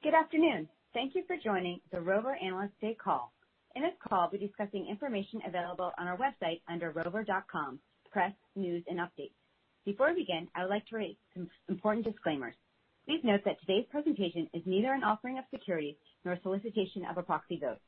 Good afternoon. Thank you for joining the Rover Analyst Day call. In this call, we'll be discussing information available on our website under rover.com, Press, News, and Updates. Before we begin, I would like to read some important disclaimers. Please note that today's presentation is neither an offering of securities nor a solicitation of a proxy vote.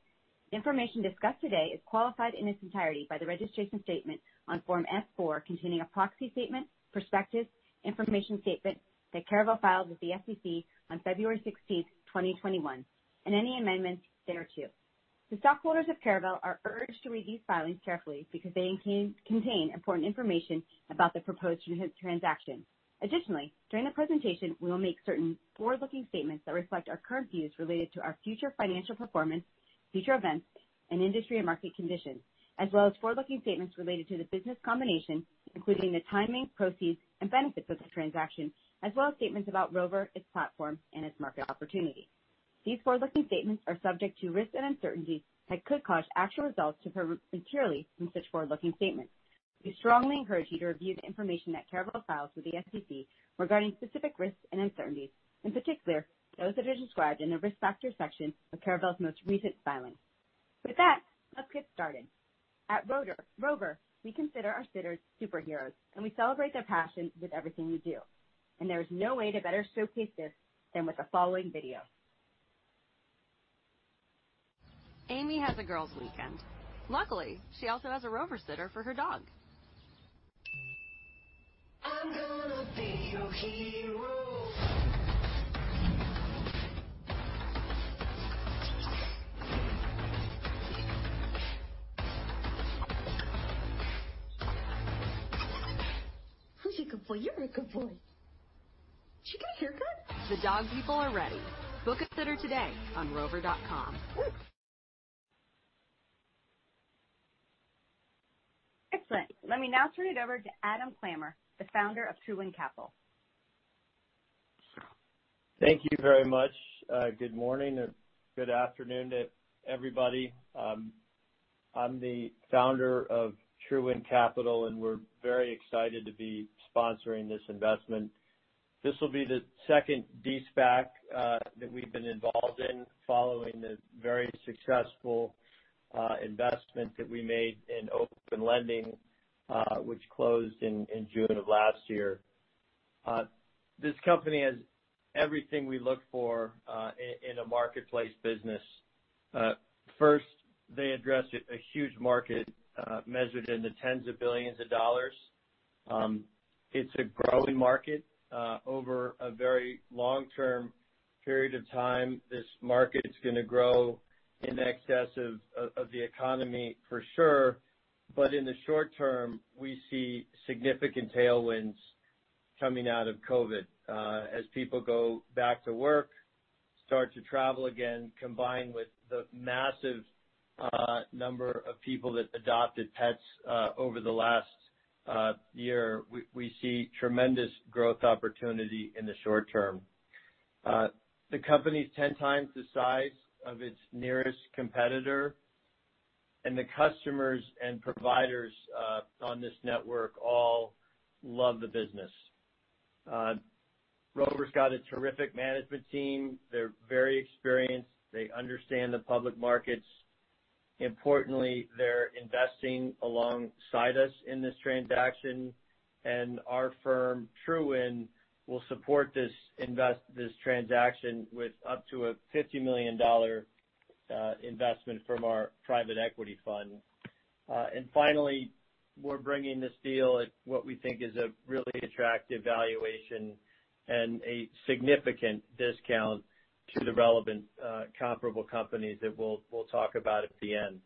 Information discussed today is qualified in its entirety by the registration statement on Form S-4, containing a proxy statement, perspective, information statement that Caravel filed with the SEC on February 16th, 2021, and any amendments thereto. The stockholders of Caravel are urged to read these filings carefully because they contain important information about the proposed transaction. Additionally, during the presentation, we will make certain forward-looking statements that reflect our current views related to our future financial performance, future events, and industry and market conditions, as well as forward-looking statements related to the business combination, including the timing, proceeds, and benefits of the transaction, as well as statements about Rover, its platform, and its market opportunity. These forward-looking statements are subject to risks and uncertainties that could cause actual results to differ materially from such forward-looking statements. We strongly encourage you to review the information that Caravel files with the SEC regarding specific risks and uncertainties, in particular, those that are described in the Risk Factor section of Caravel's most recent filing. With that, let's get started. At Rover, we consider our sitters superheroes, and we celebrate their passion with everything we do. There is no way to better showcase this than with the following video. Amy has a girls weekend. Luckily, she also has a Rover sitter for her dog. "I'm gonna be your hero." Who's a good boy? You're a good boy. Did you get a haircut? The dog people are ready. Book a sitter today on rover.com. Excellent. Let me now turn it over to Adam Clammer, the founder of True Wind Capital. Thank you very much. Good morning or good afternoon to everybody. I'm the founder of True Wind Capital, and we're very excited to be sponsoring this investment. This will be the second de-SPAC that we've been involved in, following the very successful investment that we made in Open Lending, which closed in June of last year. This company has everything we look for in a marketplace business. First, they address a huge market, measured in the $10s of billions. It's a growing market. Over a very long-term period of time, this market's gonna grow in excess of the economy for sure. In the short term, we see significant tailwinds coming out of COVID. As people go back to work, start to travel again, combined with the massive number of people that adopted pets over the last year, we see tremendous growth opportunity in the short term. The company's 10x the size of its nearest competitor, and the customers and providers on this network all love the business. Rover's got a terrific management team. They're very experienced. They understand the public markets. Importantly, they're investing alongside us in this transaction, and our firm, True Wind, will support this transaction with up to a $50 million investment from our private equity fund. Finally, we're bringing this deal at what we think is a really attractive valuation and a significant discount to the relevant comparable companies that we'll talk about at the end.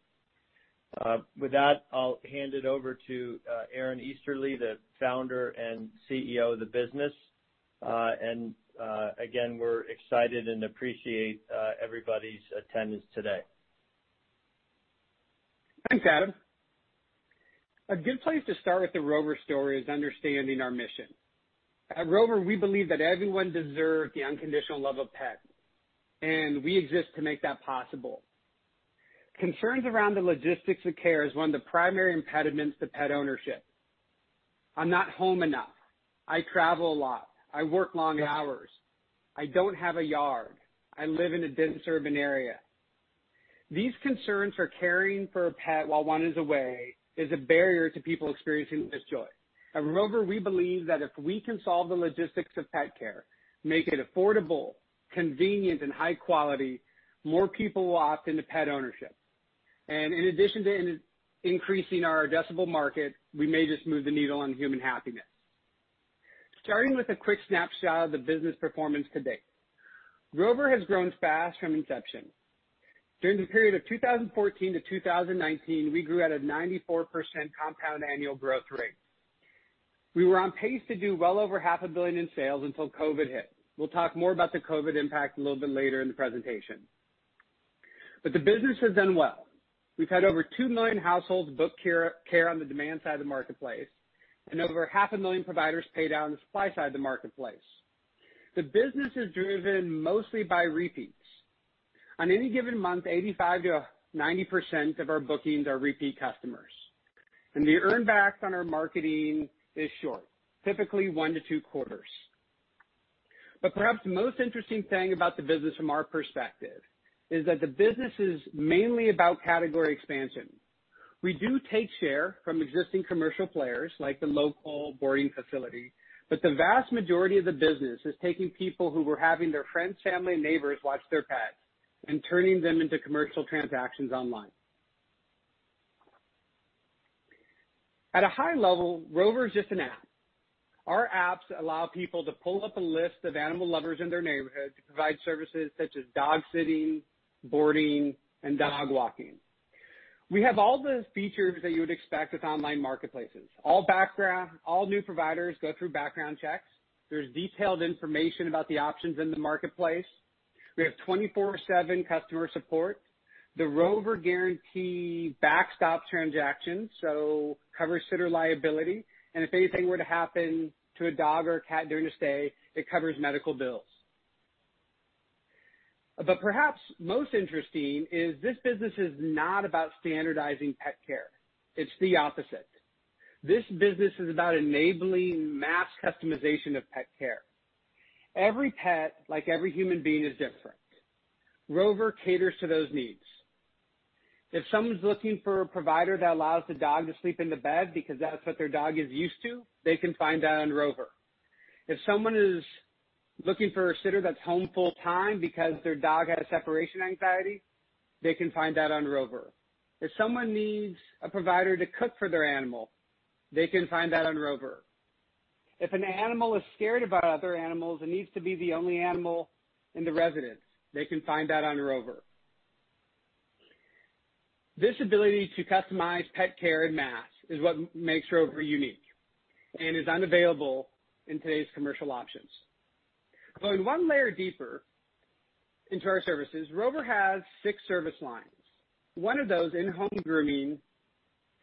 With that, I'll hand it over to Aaron Easterly, the founder and CEO of the business. Again, we're excited and appreciate everybody's attendance today. Thanks, Adam. A good place to start with the Rover story is understanding our mission. At Rover, we believe that everyone deserves the unconditional love of a pet, and we exist to make that possible. Concerns around the logistics of care is one of the primary impediments to pet ownership. I'm not home enough. I travel a lot. I work long hours. I don't have a yard. I live in a dense urban area. These concerns for caring for a pet while one is away is a barrier to people experiencing this joy. At Rover, we believe that if we can solve the logistics of pet care, make it affordable, convenient, and high quality, more people will opt into pet ownership. In addition to increasing our addressable market, we may just move the needle on human happiness. Starting with a quick snapshot of the business performance to-date. Rover has grown fast from inception. During the period of 2014 to 2019, we grew at a 94% compound annual growth rate. We were on pace to do well over half a billion in sales until COVID hit. We'll talk more about the COVID impact a little bit later in the presentation. The business has done well. We've had over 2 million households book care on the demand side of the marketplace, and over half a million providers pay down the supply side of the marketplace. The business is driven mostly by repeats. On any given month, 85%-90% of our bookings are repeat customers. The earn back on our marketing is short, typically one to two quarters. Perhaps the most interesting thing about the business from our perspective is that the business is mainly about category expansion. We do take share from existing commercial players like the local boarding facility, but the vast majority of the business is taking people who were having their friends, family, and neighbors watch their pets, and turning them into commercial transactions online. At a high level, Rover is just an app. Our apps allow people to pull up a list of animal lovers in their neighborhood to provide services such as dog sitting, boarding, and dog walking. We have all the features that you would expect with online marketplaces. All new providers go through background checks. There's detailed information about the options in the marketplace. We have 24/7 customer support. The Rover Guarantee backstops transactions, so covers sitter liability, and if anything were to happen to a dog or a cat during a stay, it covers medical bills. Perhaps most interesting is this business is not about standardizing pet care. It's the opposite. This business is about enabling mass customization of pet care. Every pet, like every human being, is different. Rover caters to those needs. If someone's looking for a provider that allows the dog to sleep in the bed because that's what their dog is used to, they can find that on Rover. If someone is looking for a sitter that's home full time because their dog has separation anxiety, they can find that on Rover. If someone needs a provider to cook for their animal, they can find that on Rover. If an animal is scared about other animals and needs to be the only animal in the residence, they can find that on Rover. This ability to customize pet care en masse is what makes Rover unique and is unavailable in today's commercial options. Going one layer deeper into our services, Rover has six service lines. One of those, in-home grooming,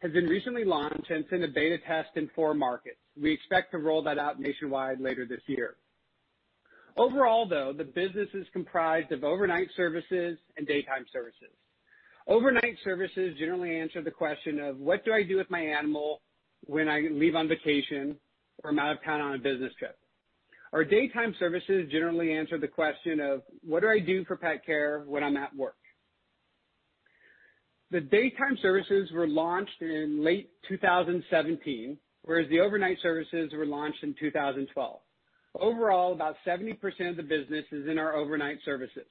has been recently launched and it's in a beta test in four markets. We expect to roll that out nationwide later this year. Overall, though, the business is comprised of overnight services and daytime services. Overnight services generally answer the question of, "What do I do with my animal when I leave on vacation or I'm out of town on a business trip?" Our daytime services generally answer the question of, "What do I do for pet care when I'm at work?" The daytime services were launched in late 2017, whereas the overnight services were launched in 2012. Overall, about 70% of the business is in our overnight services.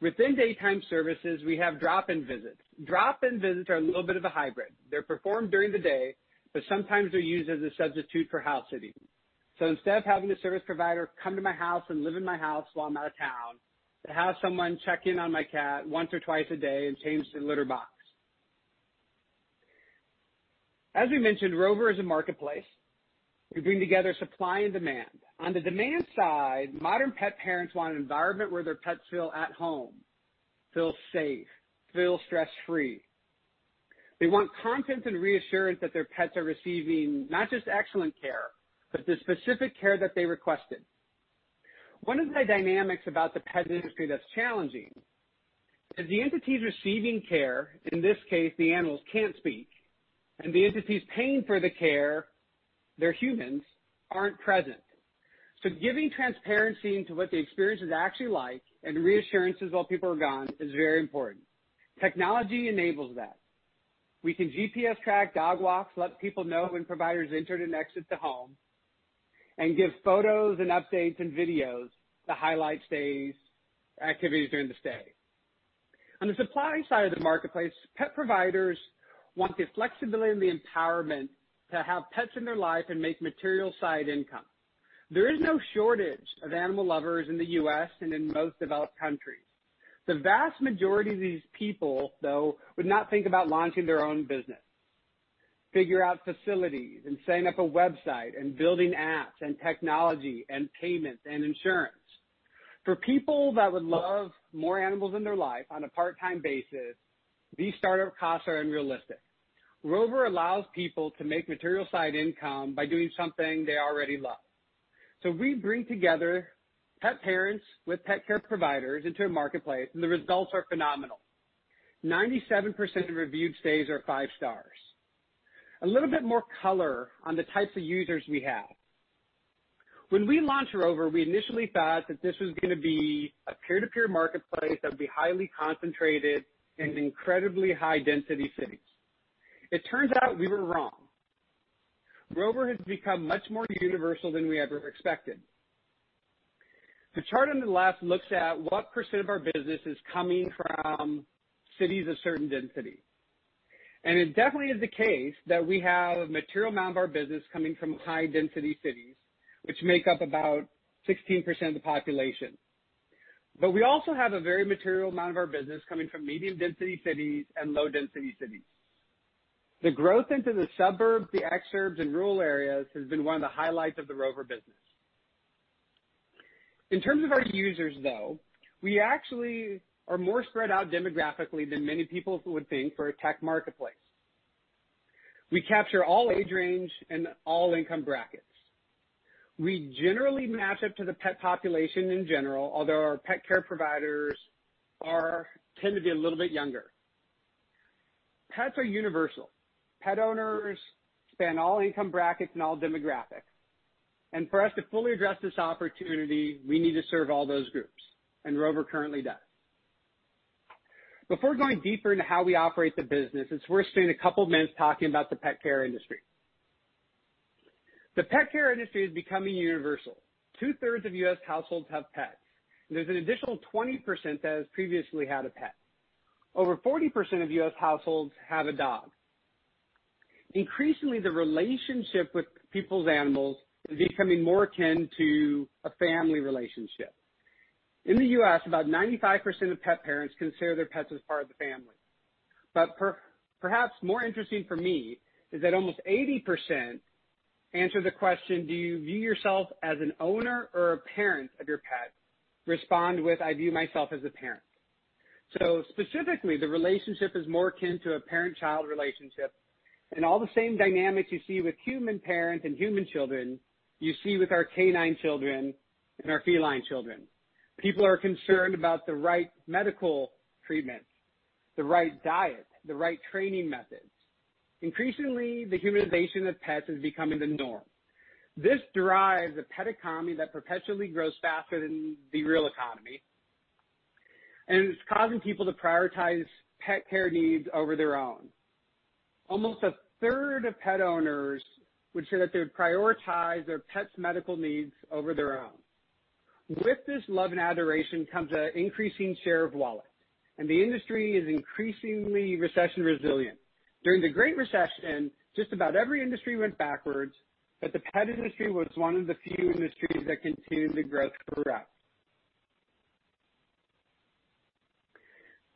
Within daytime services, we have drop-in visits. Drop-in visits are a little bit of a hybrid. They're performed during the day, but sometimes they're used as a substitute for house sitting. Instead of having a service provider come to my house and live in my house while I'm out of town, to have someone check in on my cat once or twice a day and change the litter box. As we mentioned, Rover is a marketplace. We bring together supply and demand. On the demand side, modern pet parents want an environment where their pets feel at home, feel safe, feel stress-free. They want content and reassurance that their pets are receiving not just excellent care, but the specific care that they requested. One of the dynamics about the pet industry that's challenging is the entities receiving care, in this case, the animals, can't speak, and the entities paying for the care, they're humans, aren't present. Giving transparency into what the experience is actually like and reassurances while people are gone is very important. Technology enables that. We can GPS track dog walks, let people know when providers enter and exit the home, and give photos and updates and videos to highlight activities during the stay. On the supply side of the marketplace, pet providers want the flexibility and the empowerment to have pets in their life and make material side income. There is no shortage of animal lovers in the U.S. and in most developed countries. The vast majority of these people, though, would not think about launching their own business, figure out facilities, and setting up a website, and building apps and technology and payments and insurance. For people that would love more animals in their life on a part-time basis, these startup costs are unrealistic. Rover allows people to make material side income by doing something they already love. We bring together pet parents with pet care providers into a marketplace, and the results are phenomenal. 97% of reviewed stays are five stars. A little bit more color on the types of users we have. When we launched Rover, we initially thought that this was going to be a peer-to-peer marketplace that would be highly concentrated in incredibly high-density cities. It turns out we were wrong. Rover has become much more universal than we ever expected. The chart on the left looks at what percent of our business is coming from cities of certain density. It definitely is the case that we have a material amount of our business coming from high-density cities, which make up about 16% of the population. We also have a very material amount of our business coming from medium-density cities and low-density cities. The growth into the suburbs, the exurbs, and rural areas has been one of the highlights of the Rover business. In terms of our users, though, we actually are more spread out demographically than many people would think for a tech marketplace. We capture all age range and all income brackets. We generally match up to the pet population in general, although our pet care providers tend to be a little bit younger. Pets are universal. Pet owners span all income brackets and all demographics. For us to fully address this opportunity, we need to serve all those groups, and Rover currently does. Before going deeper into how we operate the business, it's worth spending a couple minutes talking about the pet care industry. The pet care industry is becoming universal. Two-thirds of U.S. households have pets. There's an additional 20% that has previously had a pet. Over 40% of U.S. households have a dog. Increasingly, the relationship with people's animals is becoming more akin to a family relationship. In the U.S., about 95% of pet parents consider their pets as part of the family. Perhaps more interesting for me is that almost 80% answer the question, do you view yourself as an owner or a parent of your pet, respond with, "I view myself as a parent." Specifically, the relationship is more akin to a parent-child relationship, and all the same dynamics you see with human parents and human children, you see with our canine children and our feline children. People are concerned about the right medical treatments, the right diet, the right training methods. Increasingly, the humanization of pets is becoming the norm. This drives a pet economy that perpetually grows faster than the real economy, and it's causing people to prioritize pet care needs over their own. Almost a third of pet owners would say that they would prioritize their pet's medical needs over their own. With this love and adoration comes an increasing share of wallet, and the industry is increasingly recession resilient. During the Great Recession, just about every industry went backwards, but the pet industry was one of the few industries that continued to grow throughout.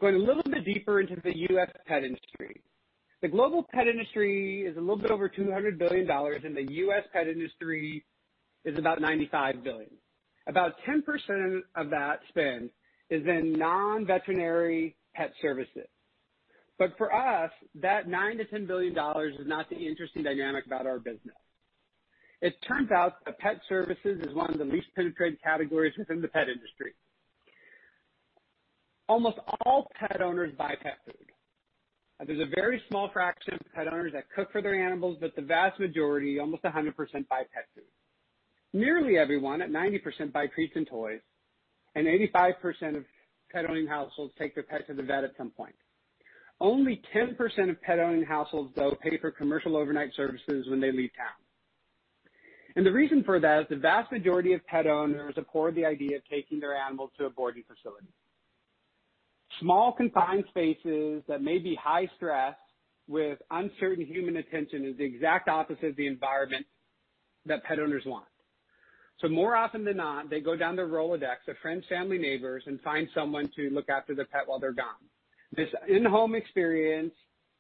Going a little bit deeper into the U.S. pet industry. The global pet industry is a little bit over $200 billion, and the U.S. pet industry is about $95 billion. About 10% of that spend is in non-veterinary pet services. For us, that $9 billion-$10 billion is not the interesting dynamic about our business. It turns out that pet services is one of the least penetrated categories within the pet industry. Almost all pet owners buy pet food. There's a very small fraction of pet owners that cook for their animals, but the vast majority, almost 100%, buy pet food. Nearly everyone, at 90%, buy treats and toys. 85% of pet-owning households take their pet to the vet at some point. Only 10% of pet-owning households, though, pay for commercial overnight services when they leave town. The reason for that is the vast majority of pet owners abhor the idea of taking their animals to a boarding facility. Small, confined spaces that may be high-stress with uncertain human attention is the exact opposite of the environment that pet owners want. More often than not, they go down their Rolodex of friends, family, neighbors, and find someone to look after their pet while they're gone. This in-home experience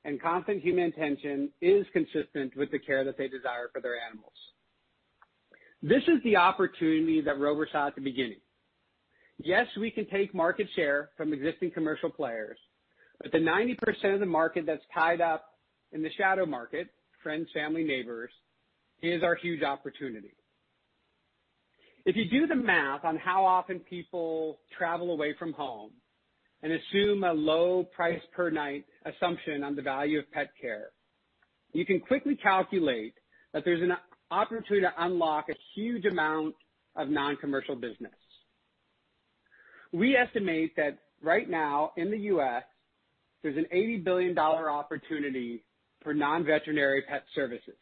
and constant human attention is consistent with the care that they desire for their animals. This is the opportunity that Rover saw at the beginning. Yes, we can take market share from existing commercial players, but the 90% of the market that's tied up in the shadow market, friends, family, neighbors, is our huge opportunity. If you do the math on how often people travel away from home and assume a low price per night assumption on the value of pet care, you can quickly calculate that there's an opportunity to unlock a huge amount of non-commercial business. We estimate that right now in the U.S., there's an $80 billion opportunity for non-veterinary pet services.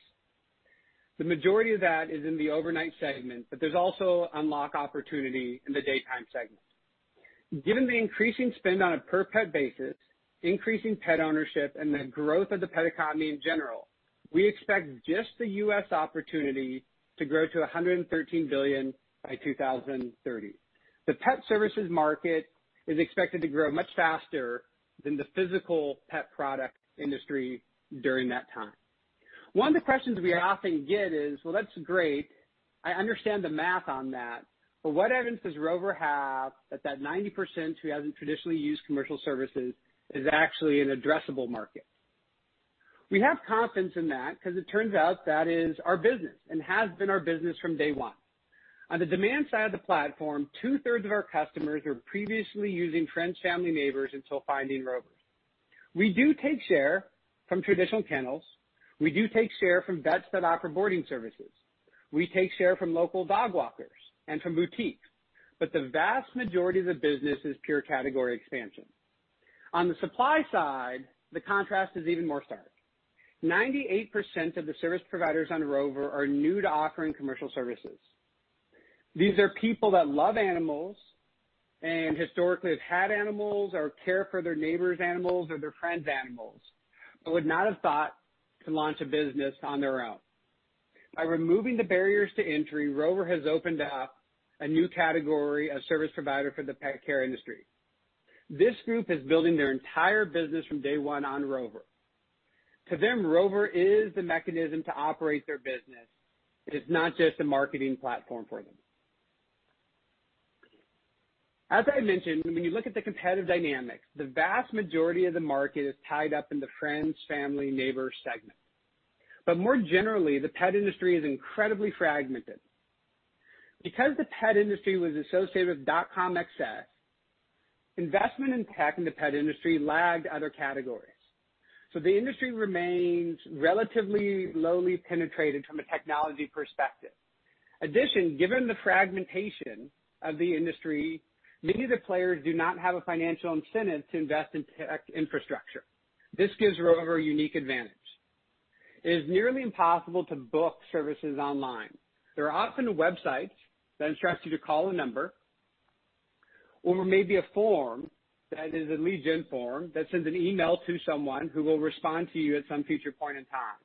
The majority of that is in the overnight segment. There's also unlocked opportunity in the daytime segment. Given the increasing spend on a per pet basis, increasing pet ownership, and the growth of the pet economy in general, we expect just the U.S. opportunity to grow to $113 billion by 2030. The pet services market is expected to grow much faster than the physical pet product industry during that time. One of the questions we often get is, "Well, that's great." I understand the math on that. What evidence does Rover have that that 90% who hasn't traditionally used commercial services is actually an addressable market? We have confidence in that because it turns out that is our business and has been our business from day one. On the demand side of the platform, two-thirds of our customers were previously using friends, family, neighbors until finding Rover. We do take share from traditional kennels. We do take share from vets that offer boarding services. We take share from local dog walkers and from boutiques. The vast majority of the business is pure category expansion. On the supply side, the contrast is even more stark. 98% of the service providers on Rover are new to offering commercial services. These are people that love animals and historically have had animals or care for their neighbor's animals or their friend's animals, but would not have thought to launch a business on their own. By removing the barriers to entry, Rover has opened up a new category of service provider for the pet care industry. This group is building their entire business from day one on Rover. To them, Rover is the mechanism to operate their business. It is not just a marketing platform for them. As I mentioned, when you look at the competitive dynamics, the vast majority of the market is tied up in the friends, family, neighbors segment. More generally, the pet industry is incredibly fragmented. Because the pet industry was associated with dot-com excess, investment in tech in the pet industry lagged other categories, the industry remains relatively lowly penetrated from a technology perspective. In addition, given the fragmentation of the industry, many of the players do not have a financial incentive to invest in tech infrastructure. This gives Rover a unique advantage. It is nearly impossible to book services online. There are often websites that instruct you to call a number, or maybe a form that is a lead gen form that sends an email to someone who will respond to you at some future point in time.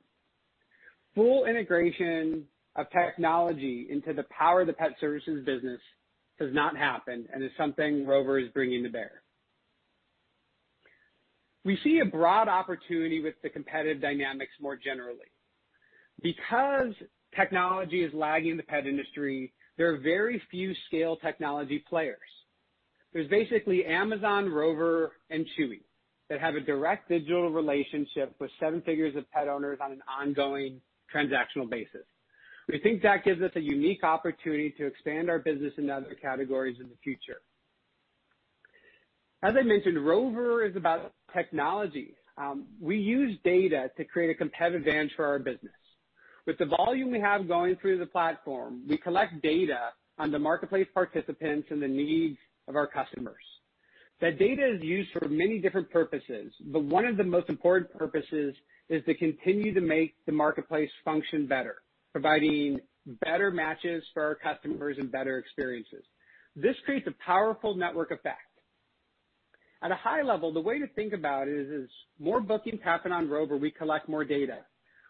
Full integration of technology into the power of the pet services business has not happened, and is something Rover is bringing to bear. We see a broad opportunity with the competitive dynamics more generally. Because technology is lagging the pet industry, there are very few scale technology players. There's basically Amazon, Rover, and Chewy that have a direct digital relationship with seven figures of pet owners on an ongoing transactional basis. We think that gives us a unique opportunity to expand our business into other categories in the future. As I mentioned, Rover is about technology. We use data to create a competitive advantage for our business. With the volume we have going through the platform, we collect data on the marketplace participants and the needs of our customers. That data is used for many different purposes, but one of the most important purposes is to continue to make the marketplace function better, providing better matches for our customers and better experiences. This creates a powerful network effect. At a high level, the way to think about it is, as more bookings happen on Rover, we collect more data.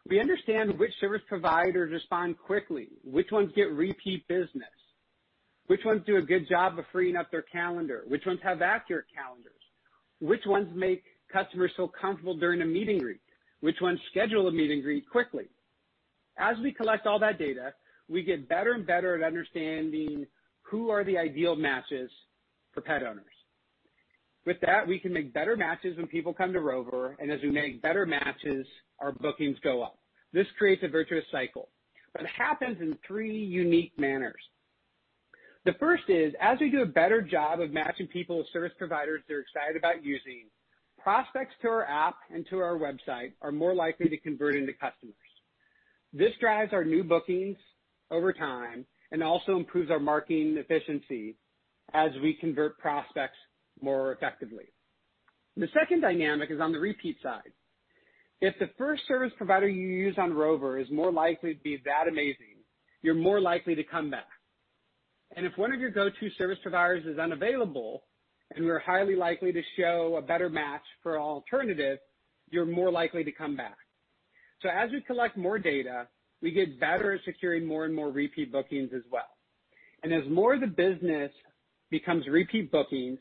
We understand which service providers respond quickly, which ones get repeat business, which ones do a good job of freeing up their calendar, which ones have accurate calendars, which ones make customers feel comfortable during a meet and greet, which ones schedule a meet and greet quickly. As we collect all that data, we get better and better at understanding who are the ideal matches for pet owners. With that, we can make better matches when people come to Rover, and as we make better matches, our bookings go up. This creates a virtuous cycle that happens in three unique manners. The first is, as we do a better job of matching people with service providers they're excited about using, prospects to our app and to our website are more likely to convert into customers. This drives our new bookings over time and also improves our marketing efficiency as we convert prospects more effectively. The second dynamic is on the repeat side. If the first service provider you use on Rover is more likely to be that amazing, you're more likely to come back. If one of your go-to service providers is unavailable, and we are highly likely to show a better match for an alternative, you're more likely to come back. As we collect more data, we get better at securing more and more repeat bookings as well. As more of the business becomes repeat bookings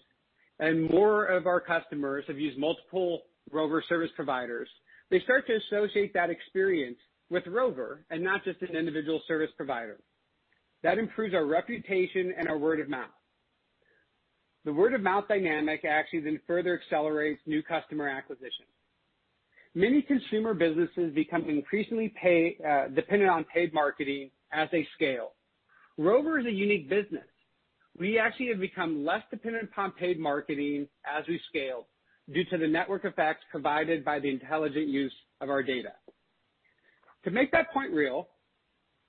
and more of our customers have used multiple Rover service providers, they start to associate that experience with Rover and not just an individual service provider. That improves our reputation and our word of mouth. The word of mouth dynamic actually then further accelerates new customer acquisition. Many consumer businesses become increasingly dependent on paid marketing as they scale. Rover is a unique business. We actually have become less dependent upon paid marketing as we scale due to the network effects provided by the intelligent use of our data. To make that point real,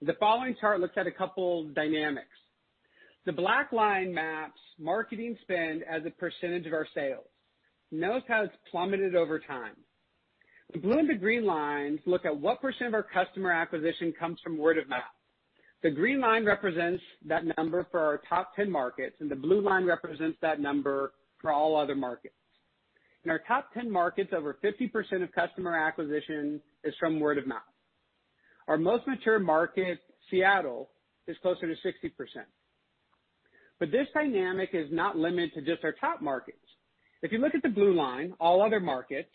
the following chart looks at a couple dynamics. The black line maps marketing spend as a % of our sales. Notice how it's plummeted over time. The blue and the green lines look at what % of our customer acquisition comes from word of mouth. The green line represents that number for our top 10 markets, and the blue line represents that number for all other markets. In our top 10 markets, over 50% of customer acquisition is from word of mouth. Our most mature market, Seattle, is closer to 60%. This dynamic is not limited to just our top markets. If you look at the blue line, all other markets,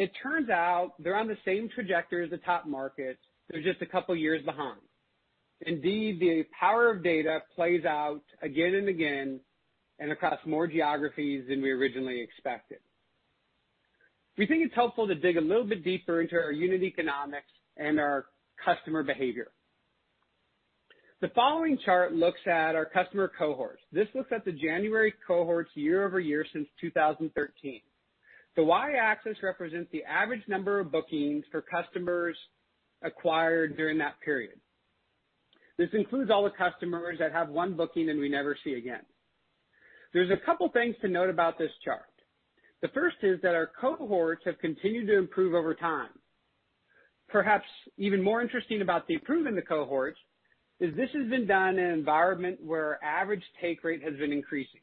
it turns out they're on the same trajectory as the top markets. They're just a couple of years behind. Indeed, the power of data plays out again and again and across more geographies than we originally expected. We think it's helpful to dig a little bit deeper into our unit economics and our customer behavior. The following chart looks at our customer cohorts. This looks at the January cohorts year-over-year since 2013. The Y-axis represents the average number of bookings for customers acquired during that period. This includes all the customers that have one booking, and we never see again. There's a couple things to note about this chart. The first is that our cohorts have continued to improve over time. Perhaps even more interesting about the improvement in the cohorts is this has been done in an environment where our average take rate has been increasing.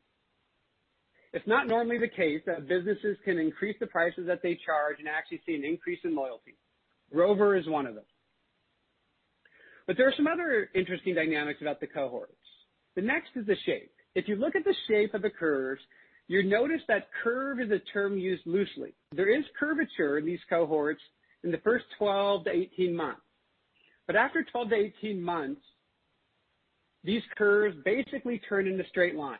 It's not normally the case that businesses can increase the prices that they charge and actually see an increase in loyalty. Rover is one of them. There are some other interesting dynamics about the cohorts. The next is the shape. If you look at the shape of the curves, you notice that curve is a term used loosely. There is curvature in these cohorts in the first 12-18 months. After 12-18 months, these curves basically turn into straight lines.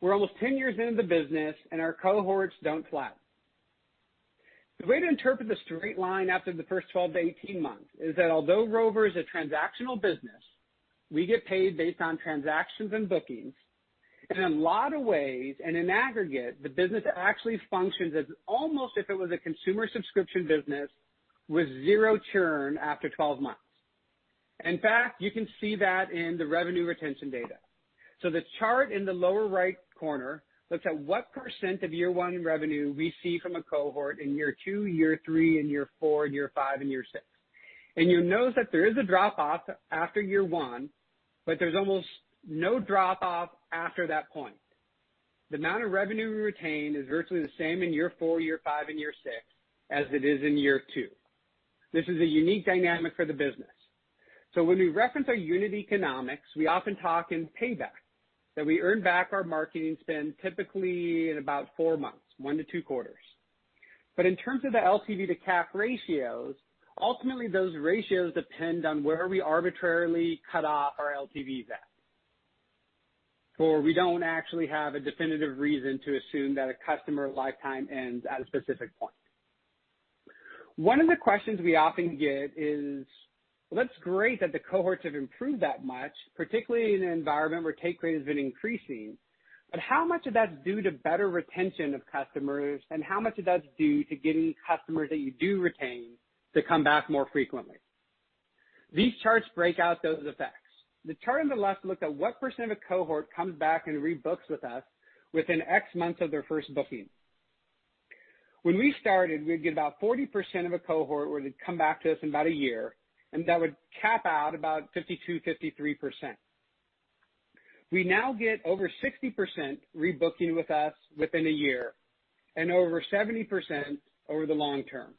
We're almost 10 years into the business, our cohorts don't flatten. The way to interpret the straight line after the first 12-18 months is that although Rover is a transactional business, we get paid based on transactions and bookings, in a lot of ways, and in aggregate, the business actually functions as almost if it was a consumer subscription business with zero churn after 12 months. In fact, you can see that in the revenue retention data. The chart in the lower right corner looks at what % of year one revenue we see from a cohort in year two, year three, in year four, in year five, and year six. You'll notice that there is a drop-off after year one, but there's almost no drop-off after that point. The amount of revenue we retain is virtually the same in year four, year five, and year six as it is in year two. When we reference our unit economics, we often talk in payback, that we earn back our marketing spend typically in about four months, one to two quarters. In terms of the LTV to CAC ratios, ultimately those ratios depend on where we arbitrarily cut off our LTVs at. We don't actually have a definitive reason to assume that a customer lifetime ends at a specific point. One of the questions we often get is, "Well, that's great that the cohorts have improved that much, particularly in an environment where take rate has been increasing? How much of that is due to better retention of customers, and how much of that is due to getting customers that you do retain to come back more frequently? These charts break out those effects. The chart on the left looks at what percent of a cohort comes back and rebooks with us within X months of their first booking. When we started, we'd get about 40% of a cohort where they'd come back to us in about a year, and that would cap out about 52%, 53%. We now get over 60% rebooking with us within a year, and over 70% over the long term.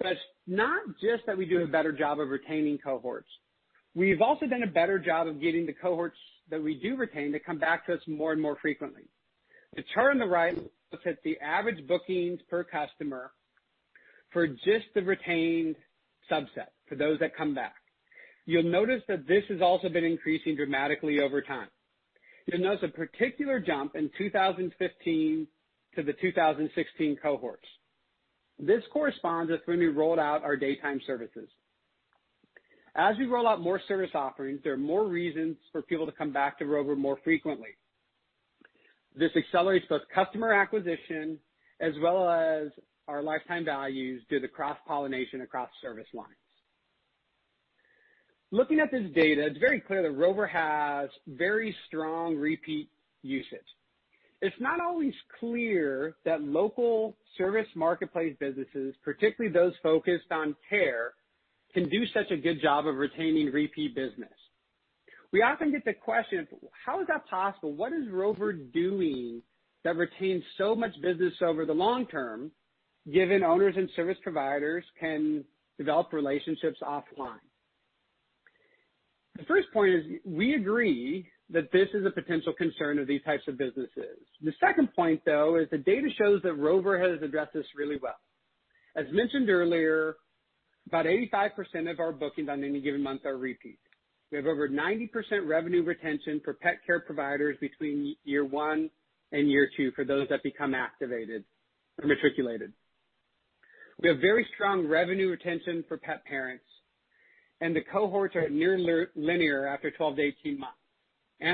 It's not just that we do a better job of retaining cohorts. We've also done a better job of getting the cohorts that we do retain to come back to us more and more frequently. The chart on the right looks at the average bookings per customer for just the retained subset, for those that come back. You'll notice that this has also been increasing dramatically over time. You'll notice a particular jump in 2015 to the 2016 cohorts. This corresponds with when we rolled out our daytime services. As we roll out more service offerings, there are more reasons for people to come back to Rover more frequently. This accelerates both customer acquisition as well as our lifetime values through the cross-pollination across service lines. Looking at this data, it's very clear that Rover has very strong repeat usage. It's not always clear that local service marketplace businesses, particularly those focused on care, can do such a good job of retaining repeat business. We often get the question of how is that possible? What is Rover doing that retains so much business over the long term, given owners and service providers can develop relationships offline? The first point is we agree that this is a potential concern of these types of businesses. The second point, though, is the data shows that Rover has addressed this really well. As mentioned earlier, about 85% of our bookings on any given month are repeat. We have over 90% revenue retention for pet care providers between year one and year two for those that become activated or matriculated. We have very strong revenue retention for pet parents, and the cohorts are near linear after 12 to 18 months.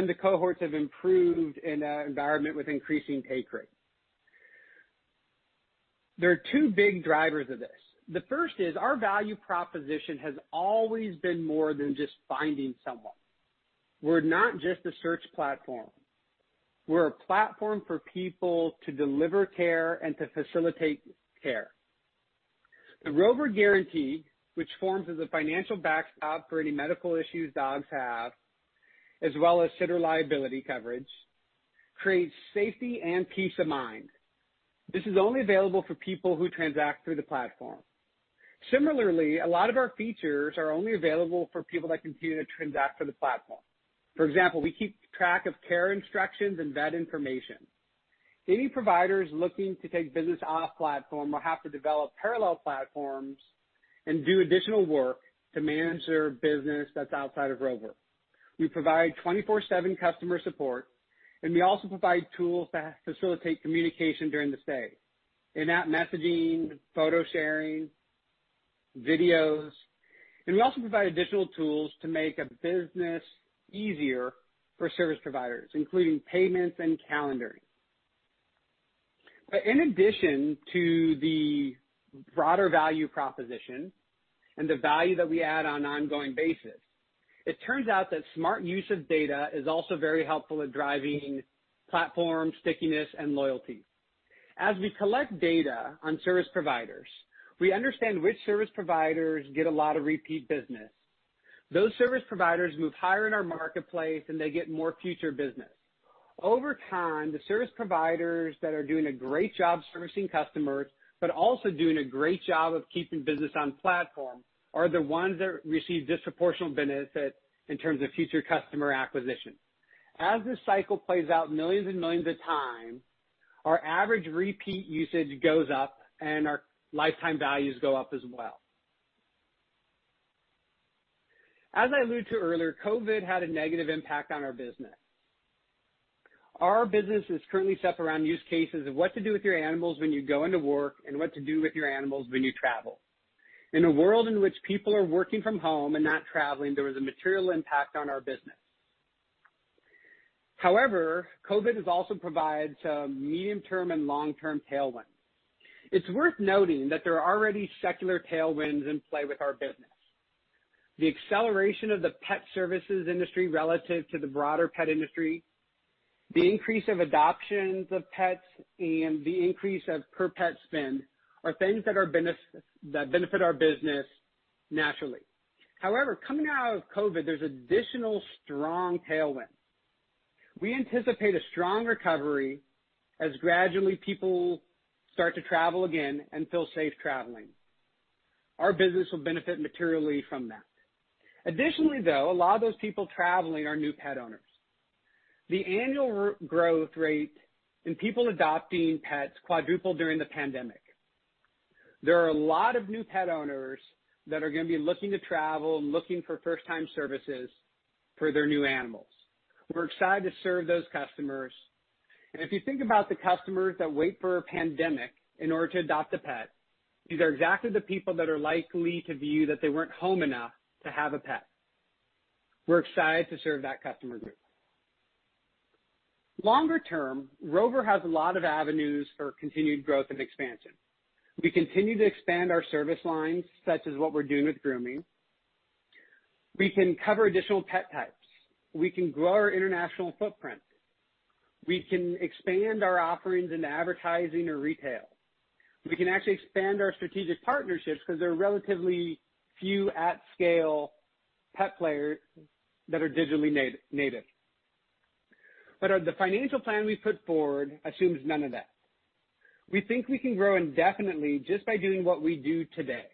The cohorts have improved in an environment with increasing take rate. There are two big drivers of this. The first is our value proposition has always been more than just finding someone. We're not just a search platform. We're a platform for people to deliver care and to facilitate care. The Rover Guarantee, which forms as a financial backstop for any medical issues dogs have, as well as sitter liability coverage, creates safety and peace of mind. This is only available for people who transact through the platform. Similarly, a lot of our features are only available for people that continue to transact through the platform. For example, we keep track of care instructions and vet information. Any providers looking to take business off-platform will have to develop parallel platforms and do additional work to manage their business that's outside of Rover. We provide 24/7 customer support, and we also provide tools that facilitate communication during the stay, in-app messaging, photo sharing, videos. We also provide additional tools to make a business easier for service providers, including payments and calendaring. In addition to the broader value proposition and the value that we add on an ongoing basis, it turns out that smart use of data is also very helpful at driving platform stickiness and loyalty. As we collect data on service providers, we understand which service providers get a lot of repeat business. Those service providers move higher in our marketplace and they get more future business. Over time, the service providers that are doing a great job servicing customers, but also doing a great job of keeping business on platform, are the ones that receive disproportional benefit in terms of future customer acquisition. As this cycle plays out millions and millions of time, our average repeat usage goes up and our lifetime values go up as well. As I alluded to earlier, COVID had a negative impact on our business. Our business is currently set around use cases of what to do with your animals when you go into work and what to do with your animals when you travel. In a world in which people are working from home and not traveling, there was a material impact on our business. COVID has also provided some medium-term and long-term tailwinds. It's worth noting that there are already secular tailwinds in play with our business. The acceleration of the pet services industry relative to the broader pet industry, the increase of adoptions of pets, and the increase of per pet spend are things that benefit our business naturally. Coming out of COVID, there's additional strong tailwinds. We anticipate a strong recovery as gradually people start to travel again and feel safe traveling. Our business will benefit materially from that. Additionally, though, a lot of those people traveling are new pet owners. The annual growth rate in people adopting pets quadrupled during the pandemic. There are a lot of new pet owners that are going to be looking to travel and looking for first-time services for their new animals. We're excited to serve those customers, if you think about the customers that wait for a pandemic in order to adopt a pet, these are exactly the people that are likely to view that they weren't home enough to have a pet. We're excited to serve that customer group. Longer term, Rover has a lot of avenues for continued growth and expansion. We continue to expand our service lines, such as what we're doing with grooming. We can cover additional pet types. We can grow our international footprint. We can expand our offerings into advertising or retail. We can actually expand our strategic partnerships because there are relatively few at scale pet players that are digitally native. The financial plan we put forward assumes none of that. We think we can grow indefinitely just by doing what we do today.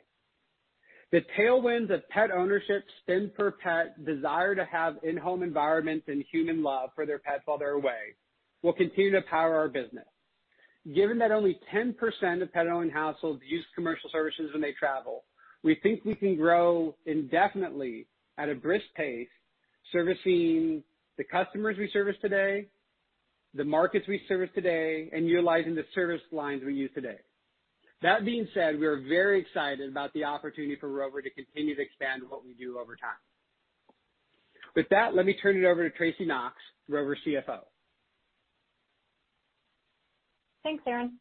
The tailwinds of pet ownership spend per pet desire to have in-home environments and human love for their pets while they're away will continue to power our business. Given that only 10% of pet-owning households use commercial services when they travel, we think we can grow indefinitely at a brisk pace, servicing the customers we service today, the markets we service today, and utilizing the service lines we use today. That being said, we are very excited about the opportunity for Rover to continue to expand what we do over time. With that, let me turn it over to Tracy Knox, Rover CFO. Thanks, Aaron.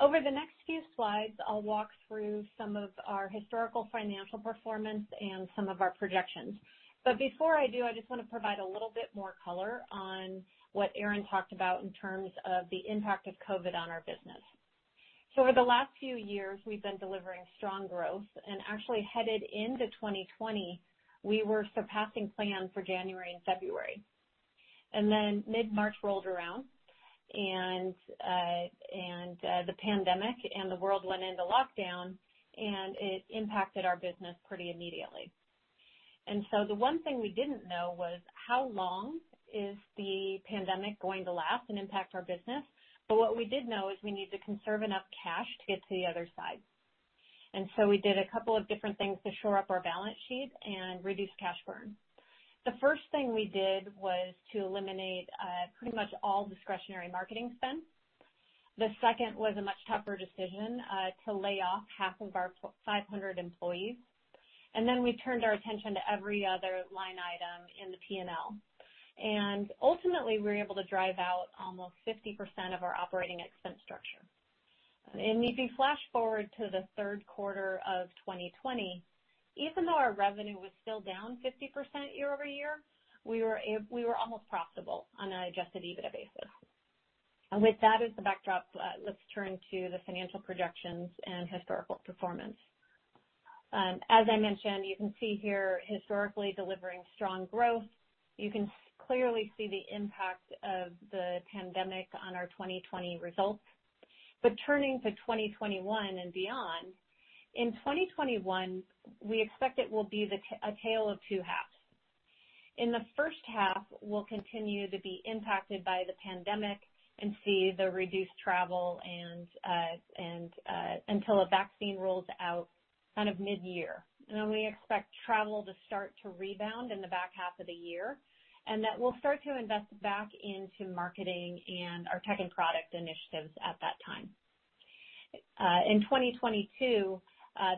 Over the next few slides, I'll walk through some of our historical financial performance and some of our projections. Before I do, I just want to provide a little bit more color on what Aaron talked about in terms of the impact of COVID on our business. Over the last few years, we've been delivering strong growth and actually headed into 2020, we were surpassing plan for January and February. Then mid-March rolled around, and the pandemic and the world went into lockdown, and it impacted our business pretty immediately. The one thing we didn't know was how long is the pandemic going to last and impact our business. What we did know is we need to conserve enough cash to get to the other side. We did a couple of different things to shore up our balance sheet and reduce cash burn. The first thing we did was to eliminate pretty much all discretionary marketing spend. The second was a much tougher decision, to lay off half of our 500 employees. We turned our attention to every other line item in the P&L. Ultimately, we were able to drive out almost 50% of our operating expense structure. If you flash forward to the third quarter of 2020, even though our revenue was still down 50% year-over-year, we were almost profitable on an Adjusted EBITDA basis. With that as the backdrop, let's turn to the financial projections and historical performance. As I mentioned, you can see here historically delivering strong growth. You can clearly see the impact of the pandemic on our 2020 results. Turning to 2021 and beyond, in 2021, we expect it will be a tale of two halves. In the first half, we'll continue to be impacted by the pandemic and see the reduced travel until a vaccine rolls out mid-year. We expect travel to start to rebound in the back half of the year, and that we'll start to invest back into marketing and our tech and product initiatives at that time. In 2022,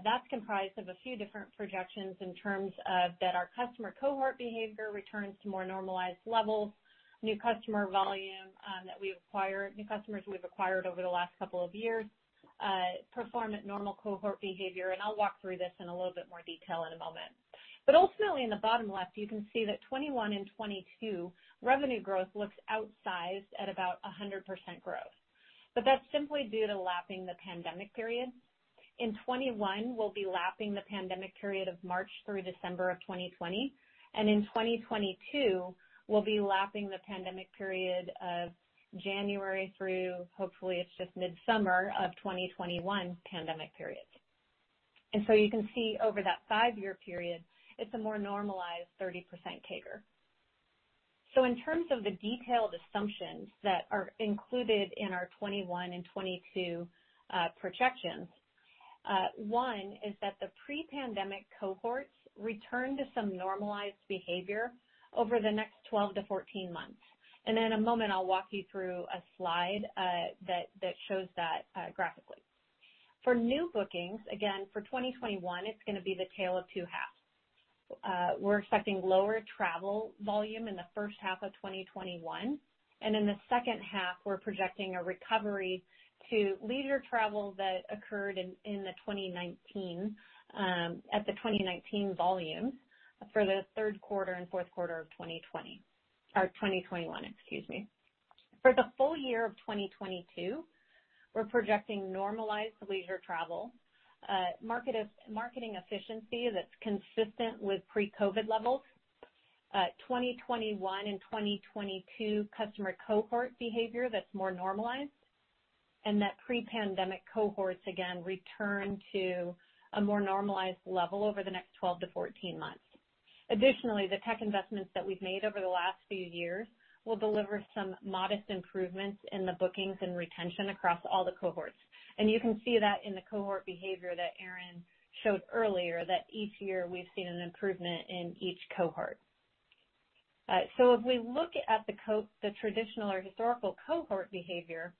that's comprised of a few different projections in terms of that our customer cohort behavior returns to more normalized levels, new customer volume that we acquire, new customers we've acquired over the last couple of years, perform at normal cohort behavior, and I'll walk through this in a little bit more detail in a moment. Ultimately, in the bottom left, you can see that 2021 and 2022 revenue growth looks outsized at about 100% growth. That's simply due to lapping the pandemic period. In 2021, we'll be lapping the pandemic period of March through December of 2020, and in 2022, we'll be lapping the pandemic period of January through, hopefully it's just midsummer of 2021 pandemic period. You can see over that 5-year period, it's a more normalized 30% CAGR. In terms of the detailed assumptions that are included in our 2021 and 2022 projections, one is that the pre-pandemic cohorts return to some normalized behavior over the next 12-14 months. In a moment, I'll walk you through a slide that shows that graphically. For new bookings, again, for 2021, it's going to be the tale of two halves. We're expecting lower travel volume in the first half of 2021, in the second half, we're projecting a recovery to leisure travel that occurred at the 2019 volume for the third quarter and fourth quarter of 2021, excuse me. For the full year of 2022, we're projecting normalized leisure travel, marketing efficiency that's consistent with pre-COVID levels, 2021 and 2022 customer cohort behavior that's more normalized, and that pre-pandemic cohorts, again, return to a more normalized level over the next 12 to 14 months. Additionally, the tech investments that we've made over the last few years will deliver some modest improvements in the bookings and retention across all the cohorts. You can see that in the cohort behavior that Aaron showed earlier, that each year we've seen an improvement in each cohort. If we look at the traditional or historical cohort behavior,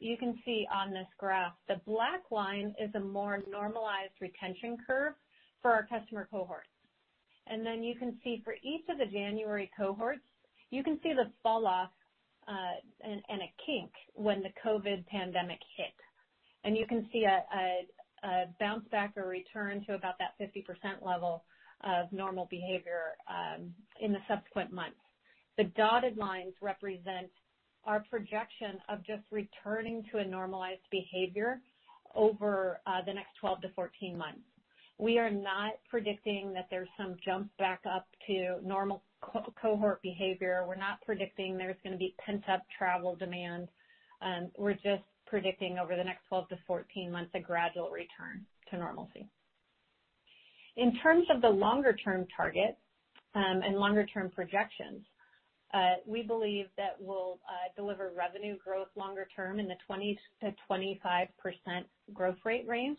you can see on this graph, the black line is a more normalized retention curve for our customer cohorts. Then you can see for each of the January cohorts, you can see the fall off, and a kink when the COVID pandemic hit. You can see a bounce back or return to about that 50% level of normal behavior in the subsequent months. The dotted lines represent our projection of just returning to a normalized behavior over the next 12 to 14 months. We are not predicting that there's some jump back up to normal cohort behavior. We're not predicting there's going to be pent-up travel demand. We're just predicting over the next 12 to 14 months, a gradual return to normalcy. In terms of the longer-term target, and longer-term projections, we believe that we'll deliver revenue growth longer term in the 20%-25% growth rate range.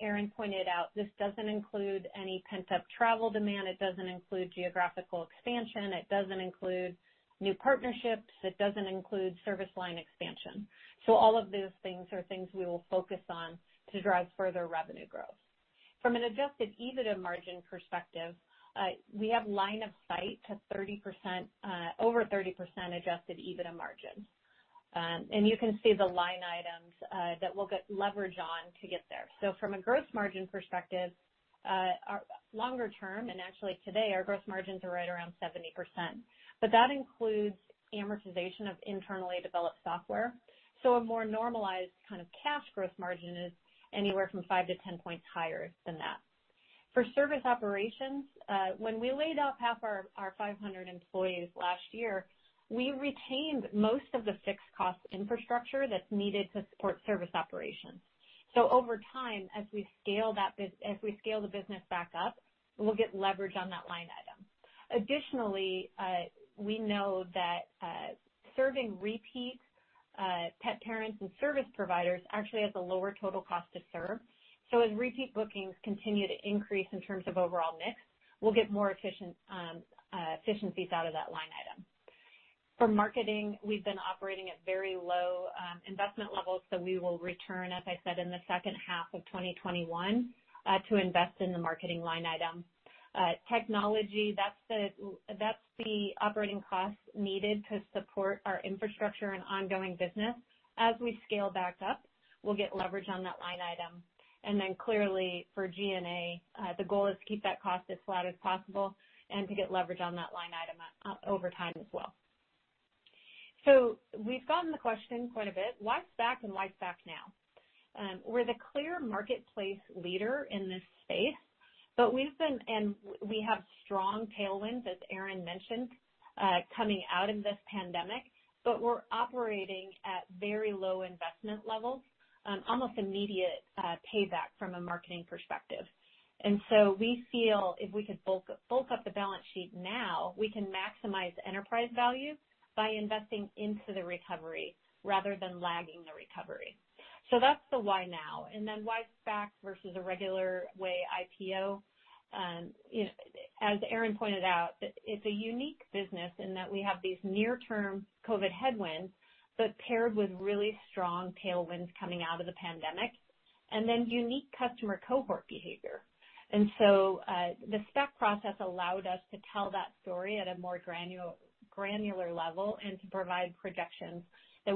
Aaron pointed out this doesn't include any pent-up travel demand, it doesn't include geographical expansion, it doesn't include new partnerships, it doesn't include service line expansion. All of those things are things we will focus on to drive further revenue growth. From an Adjusted EBITDA margin perspective, we have line of sight to over 30% Adjusted EBITDA margin. You can see the line items that we'll get leverage on to get there. From a gross margin perspective, longer term, and actually today, our gross margins are right around 70%. That includes amortization of internally developed software. A more normalized kind of cash gross margin is anywhere from 5-10 points higher than that. For service operations, when we laid off half our 500 employees last year, we retained most of the fixed cost infrastructure that's needed to support service operations. Over time, as we scale the business back up, we'll get leverage on that line item. Additionally, we know that serving repeat pet parents and service providers actually has a lower total cost to serve. As repeat bookings continue to increase in terms of overall mix, we'll get more efficiencies out of that line item. For marketing, we've been operating at very low investment levels, so we will return, as I said, in the second half of 2021, to invest in the marketing line item. Technology, that's the operating cost needed to support our infrastructure and ongoing business. As we scale back up, we'll get leverage on that line item. Clearly for G&A, the goal is to keep that cost as flat as possible and to get leverage on that line item over time as well. We've gotten the question quite a bit, why SPAC and why SPAC now? We're the clear marketplace leader in this space, and we have strong tailwinds, as Aaron mentioned, coming out of this pandemic, but we're operating at very low investment levels, almost immediate payback from a marketing perspective. We feel if we could bulk up the balance sheet now, we can maximize enterprise value by investing into the recovery rather than lagging the recovery. That's the why now. Why SPAC versus a regular way IPO? As Aaron pointed out, it's a unique business in that we have these near-term COVID headwinds, but paired with really strong tailwinds coming out of the pandemic, and then unique customer cohort behavior. The SPAC process allowed us to tell that story at a more granular level and to provide projections at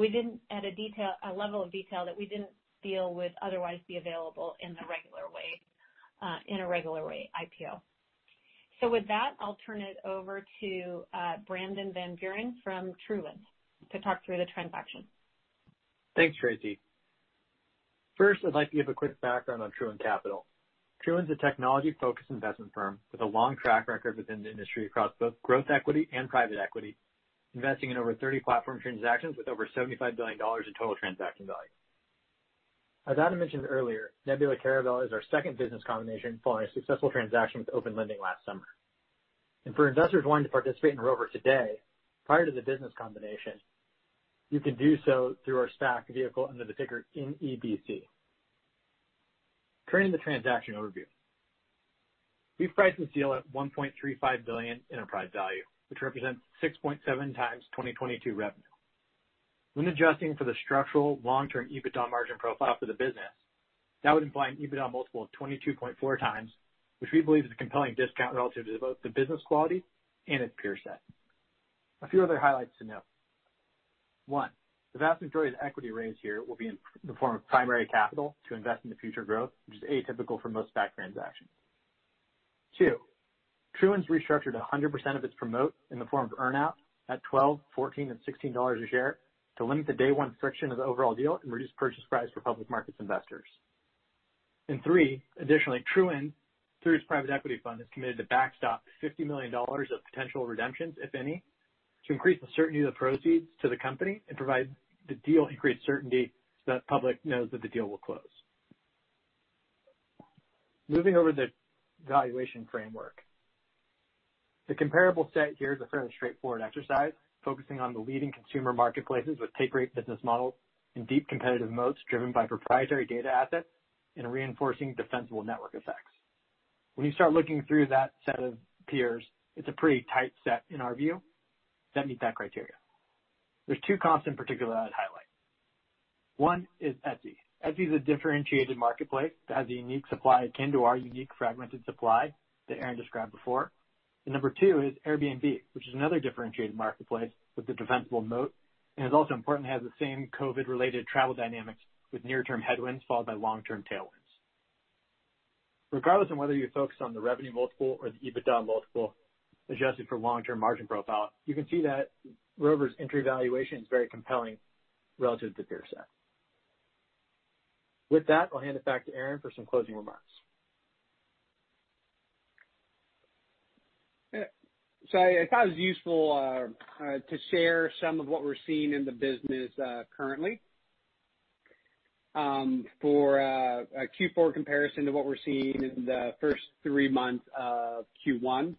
a level of detail that we didn't feel would otherwise be available in a regular way IPO. With that, I'll turn it over to Brandon Van Buren from True Wind to talk through the transaction. Thanks, Tracy. First, I'd like to give a quick background on True Wind Capital. True Wind's a technology-focused investment firm with a long track record within the industry across both growth equity and private equity, investing in over 30 platform transactions with over $75 billion in total transaction value. As Adam mentioned earlier, Nebula Caravel is our second business combination following a successful transaction with Open Lending last summer. For investors wanting to participate in Rover today, prior to the business combination, you can do so through our SPAC vehicle under the ticker NEBC. Turning to the transaction overview. We've priced this deal at $1.35 billion enterprise value, which represents 6.7x 2022 revenue. When adjusting for the structural long-term EBITDA margin profile for the business, that would imply an EBITDA multiple of 22.4x, which we believe is a compelling discount relative to both the business quality and its peer set. A few other highlights to note. One, the vast majority of the equity raise here will be in the form of primary capital to invest in the future growth, which is atypical for most SPAC transactions. Two, True Wind's restructured 100% of its promote in the form of earn-out at $12, $14, and $16 a share to limit the day one friction of the overall deal and reduce purchase price for public markets investors. Three, additionally, True Wind, through its private equity fund, has committed to backstop $50 million of potential redemptions, if any, to increase the certainty of the proceeds to the company and provide the deal increased certainty so that public knows that the deal will close. Moving over to the valuation framework. The comparable set here is a fairly straightforward exercise, focusing on the leading consumer marketplaces with take rate business models and deep competitive moats driven by proprietary data assets and reinforcing defensible network effects. When you start looking through that set of peers, it's a pretty tight set, in our view, that meet that criteria. There's two comps in particular I'd highlight. One is Etsy. Etsy is a differentiated marketplace that has a unique supply akin to our unique fragmented supply that Aaron described before. Number two is Airbnb, which is another differentiated marketplace with a defensible moat, and it's also important it has the same COVID-related travel dynamics with near-term headwinds followed by long-term tailwinds. Regardless of whether you're focused on the revenue multiple or the EBITDA multiple adjusted for long-term margin profile, you can see that Rover's entry valuation is very compelling relative to peer set. With that, I'll hand it back to Aaron for some closing remarks. I thought it was useful to share some of what we're seeing in the business currently. For a Q4 comparison to what we're seeing in the first three months of Q1.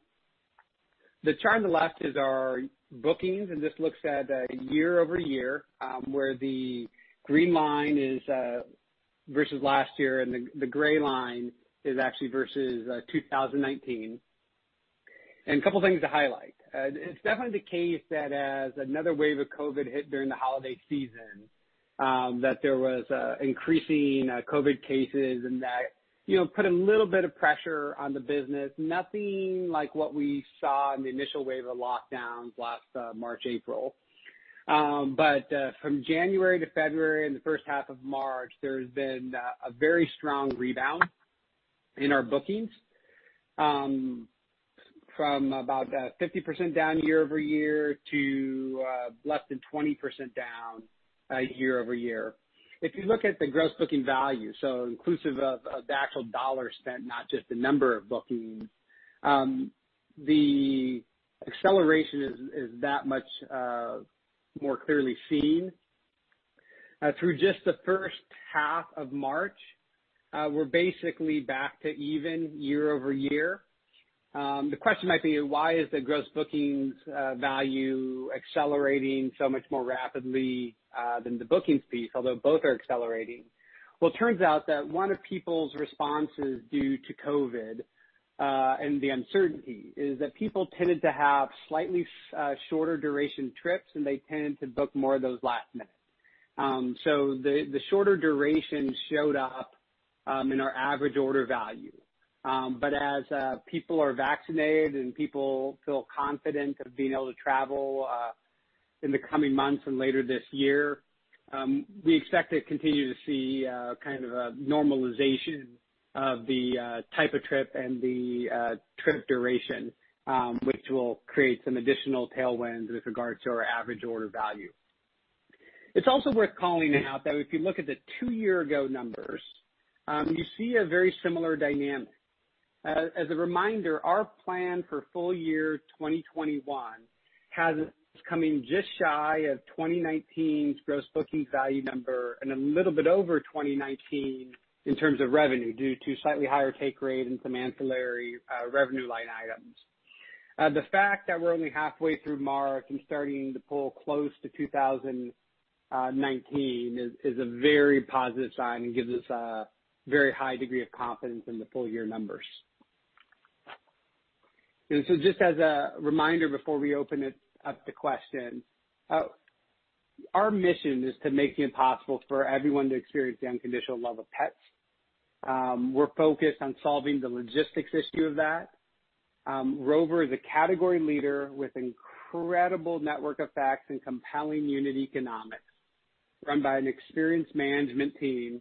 The chart on the left is our bookings, and this looks at year-over-year, where the green line is versus last year, and the gray line is actually versus 2019. A couple things to highlight. It's definitely the case that as another wave of COVID hit during the holiday season, that there was increasing COVID cases and that put a little bit of pressure on the business. Nothing like what we saw in the initial wave of lockdowns last March, April. From January to February and the first half of March, there's been a very strong rebound in our bookings. From about 50% down year-over-year to less than 20% down year-over-year. If you look at the gross booking value, so inclusive of the actual dollar spent, not just the number of bookings, the acceleration is that much more clearly seen. Through just the first half of March, we're basically back to even year-over-year. The question might be, why is the gross bookings value accelerating so much more rapidly than the bookings piece, although both are accelerating? It turns out that one of people's responses due to COVID, and the uncertainty, is that people tended to have slightly shorter duration trips, and they tended to book more of those last minute. The shorter duration showed up in our average order value. As people are vaccinated and people feel confident of being able to travel in the coming months and later this year, we expect to continue to see a kind of a normalization of the type of trip and the trip duration, which will create some additional tailwinds with regards to our average order value. It's also worth calling out that if you look at the two year ago numbers, you see a very similar dynamic. As a reminder, our plan for full year 2021 has us coming just shy of 2019's gross bookings value number and a little bit over 2019 in terms of revenue due to slightly higher take rate and some ancillary revenue line items. The fact that we're only halfway through March and starting to pull close to 2019 is a very positive sign and gives us a very high degree of confidence in the full-year numbers. Just as a reminder before we open it up to questions, our mission is to make it possible for everyone to experience the unconditional love of pets. We're focused on solving the logistics issue of that. Rover is a category leader with incredible network effects and compelling unit economics. Run by an experienced management team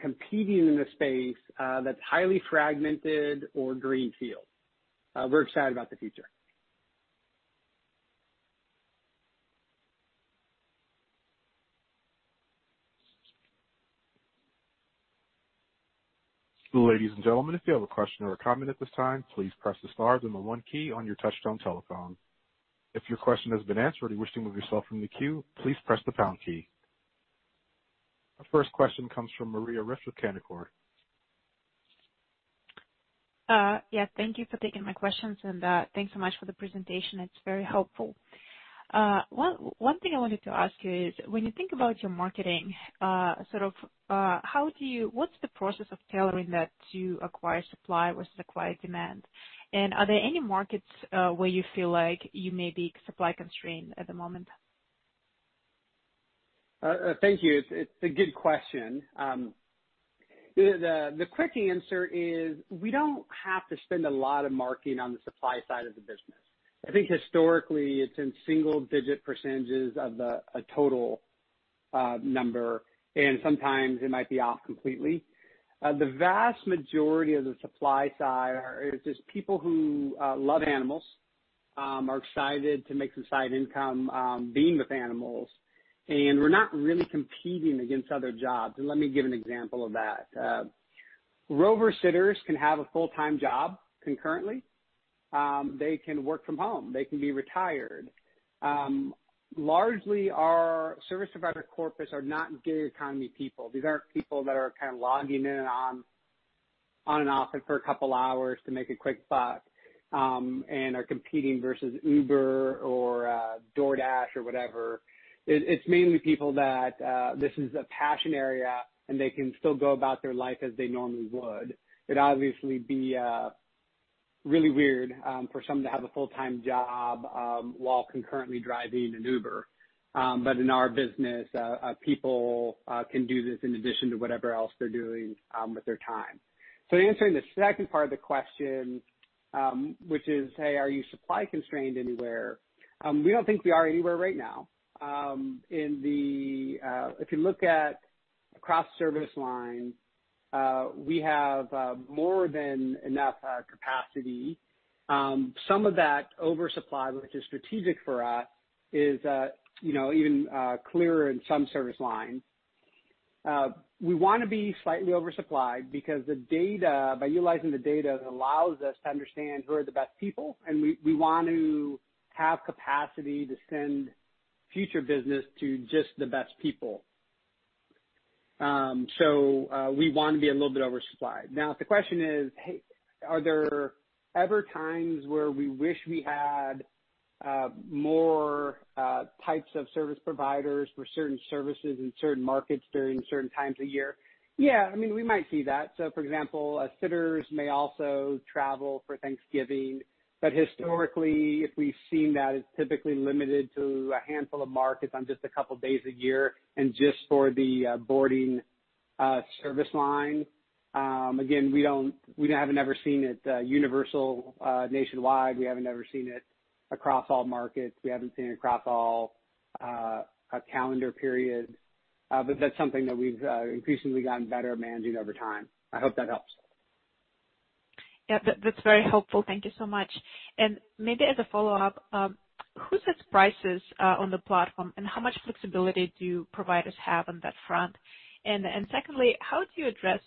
competing in a space that's highly fragmented or greenfield. We're excited about the future. Ladies and gentlemen, if you have a question or a comment at this time, please press the star then the one key on your touchtone telephone. If your question has been answered or you wish to move yourself from the queue, please press the pound key. Our first question comes from Maria Ripps with Canaccord. Yes. Thank you for taking my questions, and thanks so much for the presentation. It's very helpful. One thing I wanted to ask you is, when you think about your marketing, what's the process of tailoring that to acquire supply versus acquire demand? Are there any markets where you feel like you may be supply-constrained at the moment? Thank you. It's a good question. The quick answer is we don't have to spend a lot of marketing on the supply side of the business. I think historically, it's in single-digit % of the total number, and sometimes it might be off completely. The vast majority of the supply side are just people who love animals, are excited to make some side income being with animals, and we're not really competing against other jobs. Let me give an example of that. Rover sitters can have a full-time job concurrently. They can work from home. They can be retired. Largely, our service provider corpus are not gig economy people. These aren't people that are kind of logging in on and off for a couple hours to make a quick buck, and are competing versus Uber or DoorDash or whatever. It's mainly people that this is a passion area, and they can still go about their life as they normally would. It'd obviously be really weird for someone to have a full-time job while concurrently driving an Uber. In our business, people can do this in addition to whatever else they're doing with their time. Answering the second part of the question, which is, hey, are you supply-constrained anywhere? We don't think we are anywhere right now. If you look at across service line, we have more than enough capacity. Some of that oversupply, which is strategic for us, is even clearer in some service lines. We want to be slightly oversupplied because by utilizing the data, it allows us to understand who are the best people, and we want to have capacity to send future business to just the best people. We want to be a little bit oversupplied. If the question is, hey, are there ever times where we wish we had more types of service providers for certain services in certain markets during certain times of year? Yeah. We might see that. For example, sitters may also travel for Thanksgiving, but historically, if we've seen that, it's typically limited to a handful of markets on just a couple days a year and just for the boarding service line. Again, we haven't ever seen it universal nationwide. We haven't ever seen it across all markets. We haven't seen it across all calendar periods. That's something that we've increasingly gotten better at managing over time. I hope that helps. Yeah, that's very helpful. Thank you so much. Maybe as a follow-up, who sets prices on the platform, and how much flexibility do providers have on that front? Secondly, how do you address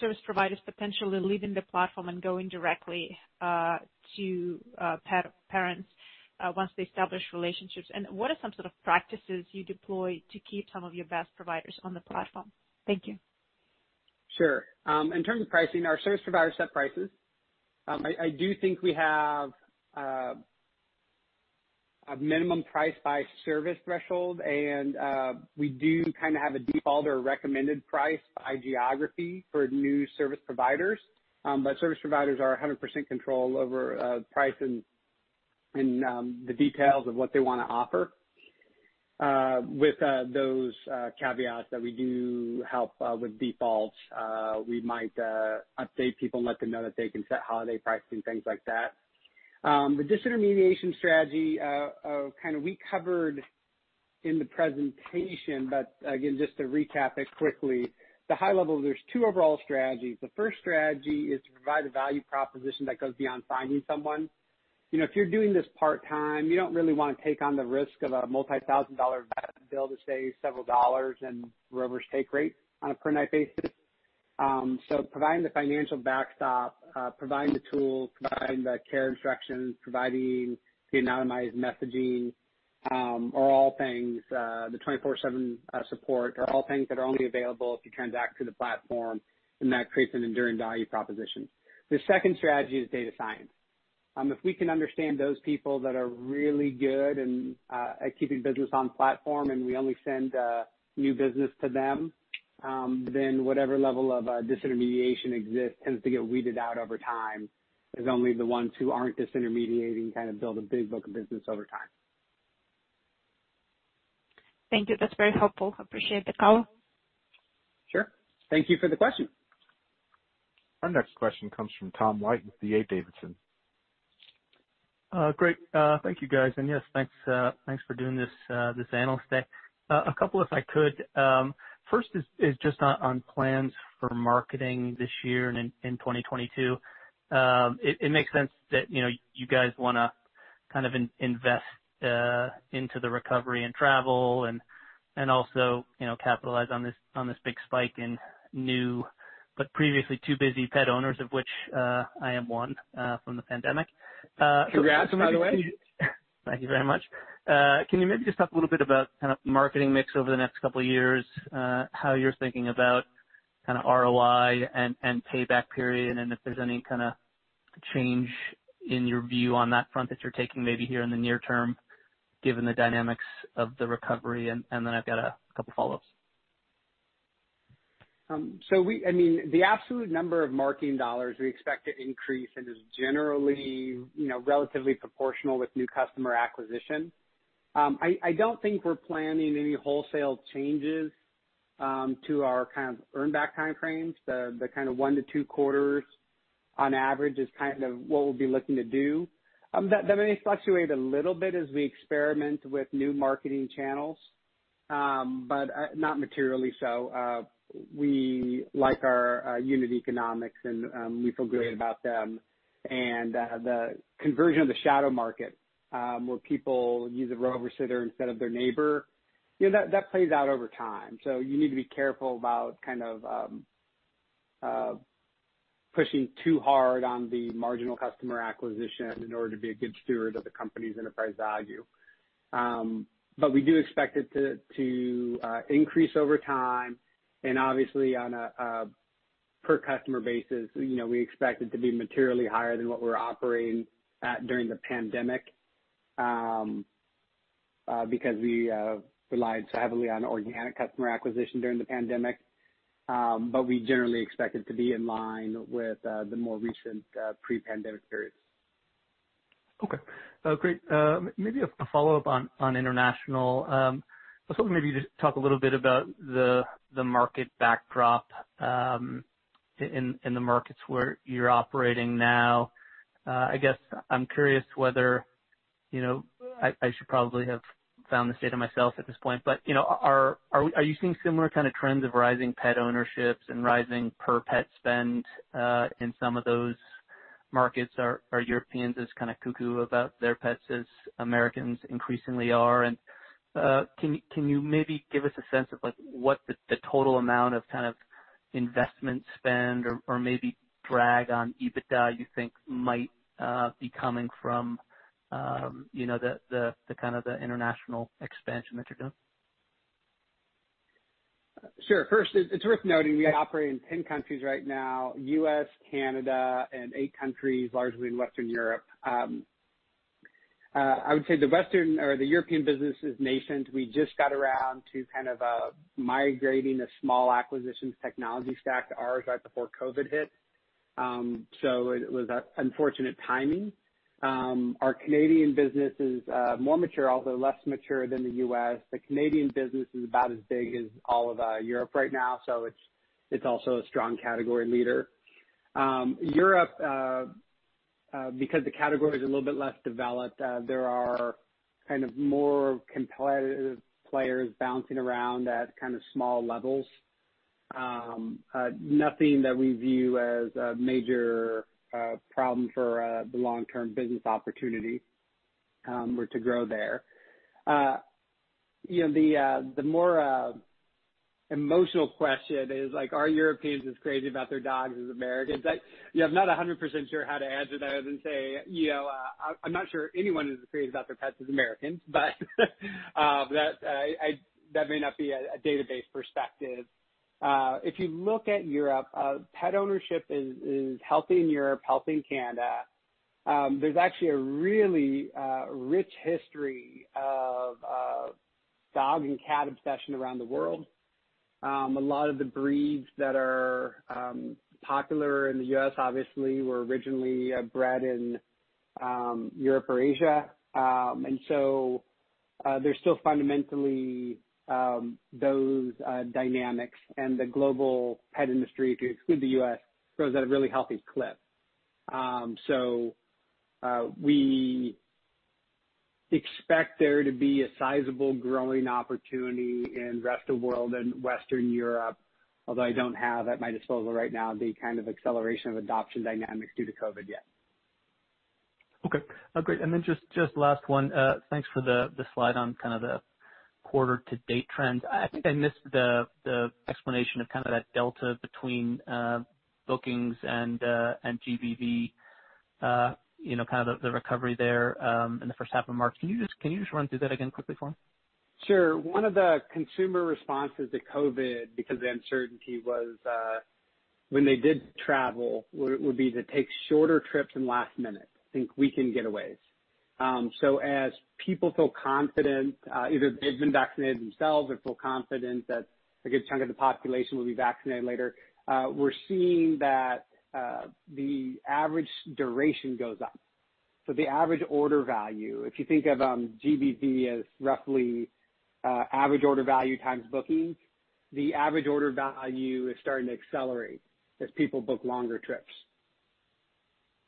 service providers potentially leaving the platform and going directly to parents once they establish relationships? What are some sort of practices you deploy to keep some of your best providers on the platform? Thank you. Sure. In terms of pricing, our service providers set prices. I do think we have a minimum price by service threshold, and we do kind of have a default or recommended price by geography for new service providers. Service providers are 100% control over price and the details of what they want to offer, with those caveats that we do help with defaults. We might update people and let them know that they can set holiday pricing, things like that. The disintermediation strategy, kind of we covered in the presentation, but again, just to recap it quickly, the high level, there's two overall strategies. The first strategy is to provide a value proposition that goes beyond finding someone. If you're doing this part-time, you don't really want to take on the risk of a multi-thousand dollar vet bill to save several dollars in Rover's take rate on a per-night basis. Providing the financial backstop, providing the tools, providing the care instructions, providing the anonymized messaging, the 24/7 support, are all things that are only available if you transact through the platform, and that creates an enduring value proposition. The second strategy is data science. If we can understand those people that are really good at keeping business on platform, and we only send new business to them, then whatever level of disintermediation exists tends to get weeded out over time, as only the ones who aren't disintermediating kind of build a big book of business over time. Thank you. That is very helpful. Appreciate the call. Sure. Thank you for the question. Our next question comes from Tom White with D.A. Davidson. Great. Thank you, guys. Yes, thanks for doing this analyst day. A couple if I could, first is just on plans for marketing this year and in 2022. It makes sense that you guys want to invest into the recovery and travel and also capitalize on this big spike in new, but previously too busy pet owners, of which I am one, from the pandemic. Congrats, by the way. Thank you very much. Can you maybe just talk a little bit about marketing mix over the next couple of years, how you're thinking about ROI and payback period, and if there's any change in your view on that front that you're taking maybe here in the near term, given the dynamics of the recovery? I've got a couple of follow-ups. The absolute number of marketing dollars we expect to increase and is generally relatively proportional with new customer acquisition. I don't think we're planning any wholesale changes to our earn-back time frames. The one to two quarters on average is what we'll be looking to do. That may fluctuate a little bit as we experiment with new marketing channels, not materially so. We like our unit economics, we feel great about them. The conversion of the shadow market, where people use a Rover sitter instead of their neighbor, that plays out over time. You need to be careful about pushing too hard on the marginal customer acquisition in order to be a good steward of the company's enterprise value. We do expect it to increase over time, and obviously on a per-customer basis, we expect it to be materially higher than what we're operating at during the pandemic because we relied so heavily on organic customer acquisition during the pandemic. We generally expect it to be in line with the more recent pre-pandemic periods. Okay. Great. Maybe a follow-up on international. I was hoping maybe you just talk a little bit about the market backdrop in the markets where you're operating now. I guess I'm curious whether, I should probably have found this data myself at this point, but are you seeing similar trends of rising pet ownerships and rising per pet spend in some of those markets? Are Europeans as cuckoo about their pets as Americans increasingly are? Can you maybe give us a sense of what the total amount of investment spend or maybe drag on EBITDA you think might be coming from the international expansion that you're doing? Sure. First, it's worth noting we operate in 10 countries right now, U.S., Canada, and eight countries largely in Western Europe. I would say the European business is nascent. We just got around to migrating a small acquisitions technology stack to ours right before COVID hit. It was unfortunate timing. Our Canadian business is more mature, although less mature than the U.S. The Canadian business is about as big as all of Europe right now, so it's also a strong category leader. Europe, because the category is a little bit less developed, there are more competitive players bouncing around at small levels. Nothing that we view as a major problem for the long-term business opportunity to grow there. The more emotional question is are Europeans as crazy about their dogs as Americans are? I'm not 100% sure how to answer that other than say, I'm not sure anyone is as crazy about their pets as Americans. That may not be a data-based perspective. If you look at Europe, pet ownership is healthy in Europe, healthy in Canada. There's actually a really rich history of dog and cat obsession around the world. A lot of the breeds that are popular in the U.S. obviously were originally bred in Europe or Asia. There's still fundamentally those dynamics, and the global pet industry, if you exclude the U.S., grows at a really healthy clip. We expect there to be a sizable growing opportunity in rest of world and Western Europe, although I don't have at my disposal right now the kind of acceleration of adoption dynamics due to COVID yet. Okay. Great. Just last one. Thanks for the slide on the quarter to date trends. I think I missed the explanation of that delta between bookings and GBV, the recovery there in the first half of March. Can you just run through that again quickly for me? Sure. One of the consumer responses to COVID, because of the uncertainty, was when they did travel, would be to take shorter trips and last minute, think weekend getaways. As people feel confident either they've been vaccinated themselves or feel confident that a good chunk of the population will be vaccinated later, we're seeing that the average duration goes up. The average order value, if you think of GBV as roughly average order value times bookings, the average order value is starting to accelerate as people book longer trips.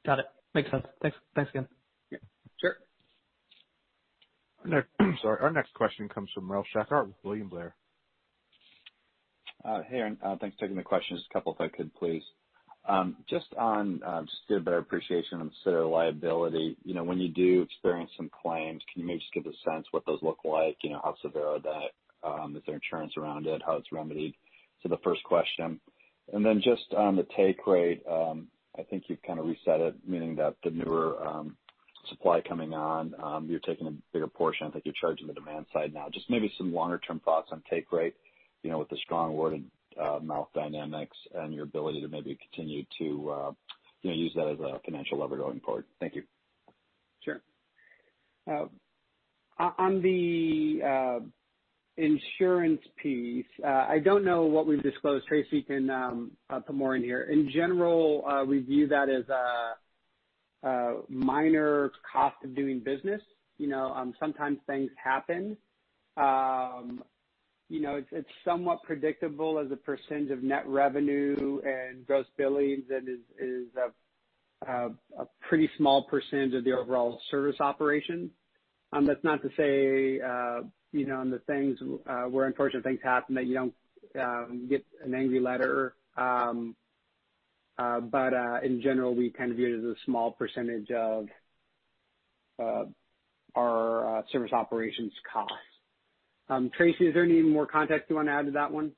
Got it. Makes sense. Thanks again. Yeah, sure. Sorry. Our next question comes from Ralph Schackart with William Blair. Hey Aaron, thanks for taking the questions. A couple if I could please. Just to get a better appreciation on sort of liability. When you do experience some claims, can you maybe just give a sense what those look like? How severe are they? Is there insurance around it? How it's remedied? So the first question. Then just on the take rate, I think you've kind of reset it, meaning that the newer supply coming on, you're taking a bigger portion. I think you're charging the demand-side now. Just maybe some longer-term thoughts on take rate, with the strong word of mouth dynamics and your ability to maybe continue to use that as a financial lever going forward. Thank you. Sure. On the insurance piece, I don't know what we've disclosed. Tracy can put more in here. In general, we view that as a minor cost of doing business. Sometimes things happen. It's somewhat predictable as a percentage of net revenue and gross billings, and is a pretty small % of the overall service operation. That's not to say, on the things where unfortunate things happen, that you don't get an angry letter. In general, we kind of view it as a small % of our service operations cost. Tracy, is there any more context you want to add to that one?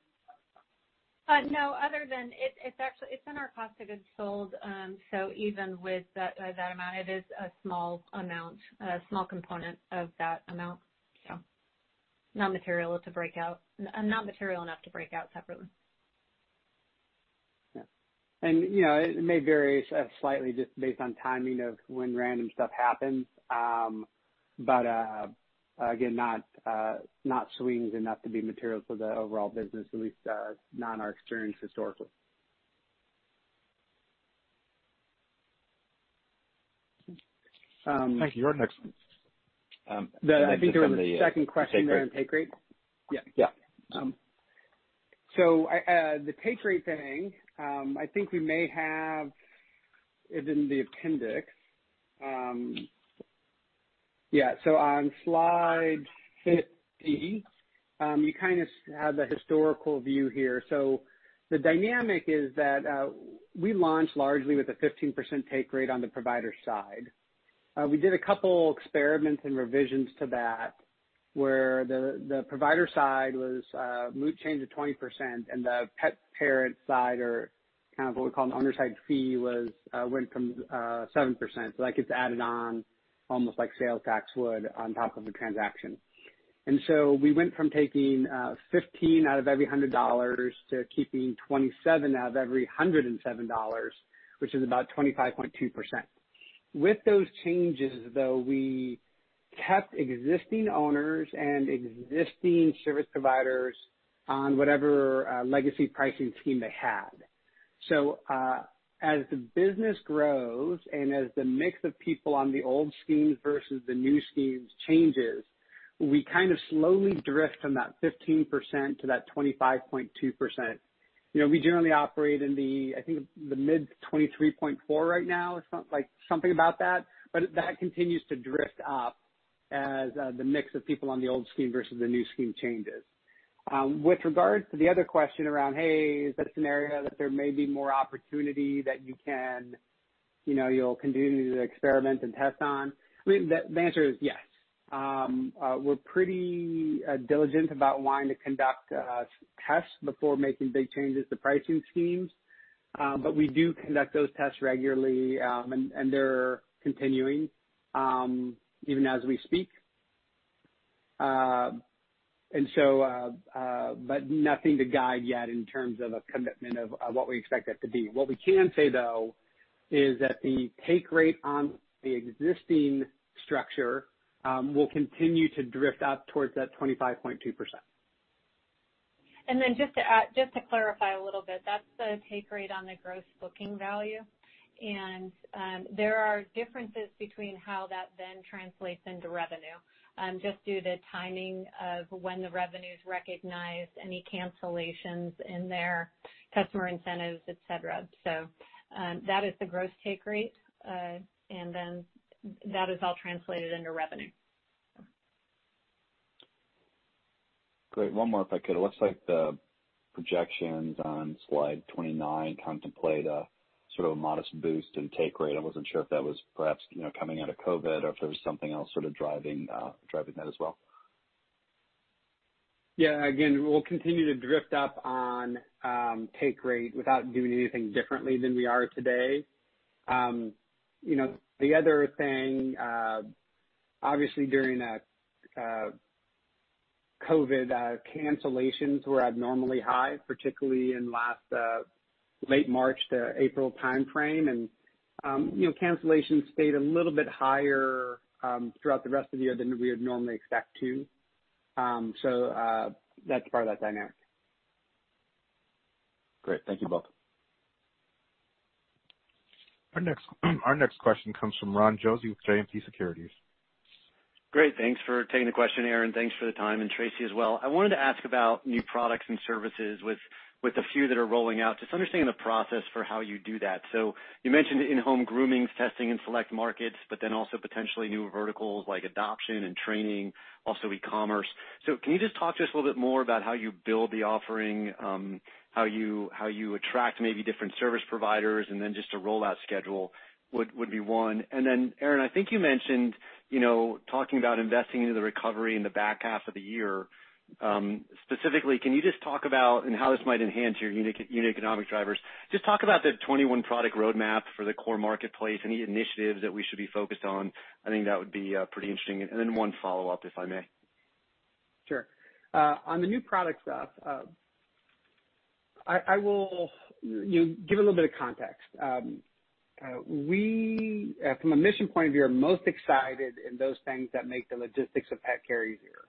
No, other than it's in our COGS. Even with that amount, it is a small amount, a small component of that amount. Not material enough to break out separately. Yeah. It may vary slightly just based on timing of when random stuff happens. Again, not swings enough to be material to the overall business, at least not in our experience historically. Thank you. You're next. Thank you. I think there was a second question there on take rate. Yeah. The take rate thing, I think we may have it in the appendix. On slide 50, you kind of have the historical view here. The dynamic is that we launched largely with a 15% take rate on the provider side. We did a couple experiments and revisions to that where the provider side was moved to a 20% and the pet parent side, or kind of what we call an demand-side fee went from 7%. Like it's added on almost like sales tax would on top of the transaction. We went from taking $15 out of every $100 to keeping $27 out of every $107, which is about 25.2%. With those changes, though, we kept existing owners and existing service providers on whatever legacy pricing scheme they had. As the business grows and as the mix of people on the old schemes versus the new schemes changes, we kind of slowly drift from that 15% to that 25.2%. We generally operate in the, I think the mid 23.4% right now. It's something about that. That continues to drift up as the mix of people on the old scheme versus the new scheme changes. With regards to the other question around, hey, is that a scenario that there may be more opportunity that you'll continue to experiment and test on? I mean, the answer is yes. We're pretty diligent about wanting to conduct tests before making big changes to pricing schemes. We do conduct those tests regularly, and they're continuing, even as we speak. Nothing to guide yet in terms of a commitment of what we expect that to be. What we can say, though, is that the take rate on the existing structure will continue to drift up towards that 25.2%. Just to clarify a little bit, that's the take rate on the gross booking value. There are differences between how that then translates into revenue, just due to the timing of when the revenue's recognized, any cancellations in there, customer incentives, et cetera. That is the gross take rate, that is all translated into revenue. Great. One more if I could. It looks like the projections on slide 29 contemplate a sort of a modest boost in take rate. I wasn't sure if that was perhaps coming out of COVID or if there was something else sort of driving that as well. Yeah, again, we'll continue to drift up on take rate without doing anything differently than we are today. The other thing, obviously during COVID, cancellations were abnormally high, particularly in late March to April timeframe. Cancellations stayed a little bit higher throughout the rest of the year than we would normally expect to. That's part of that dynamic. Great. Thank you both. Our next question comes from Ron Josey with JMP Securities. Great. Thanks for taking the question, Aaron. Thanks for the time, and Tracy as well. I wanted to ask about new products and services with the few that are rolling out, just understanding the process for how you do that. You mentioned in-home groomings testing in select markets, but then also potentially new verticals like adoption and training, also e-commerce. Can you just talk to us a little bit more about how you build the offering, how you attract maybe different service providers, and then just a rollout schedule would be one. Aaron, I think you mentioned talking about investing into the recovery in the back half of the year. Specifically, can you just talk about and how this might enhance your unit economic drivers? Just talk about the 2021 product roadmap for the core marketplace, any initiatives that we should be focused on. I think that would be pretty interesting. One follow-up, if I may. Sure. On the new product stuff, I will give a little bit of context. We, from a mission point of view, are most excited in those things that make the logistics of pet care easier.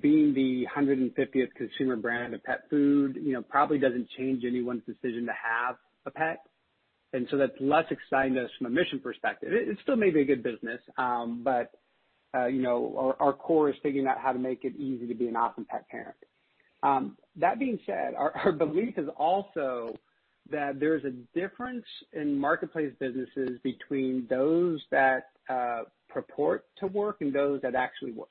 Being the 150th consumer brand of pet food probably doesn't change anyone's decision to have a pet. That's less exciting to us from a mission perspective. It still may be a good business, but our core is figuring out how to make it easy to be an awesome pet parent. That being said, our belief is also that there's a difference in marketplace businesses between those that purport to work and those that actually work.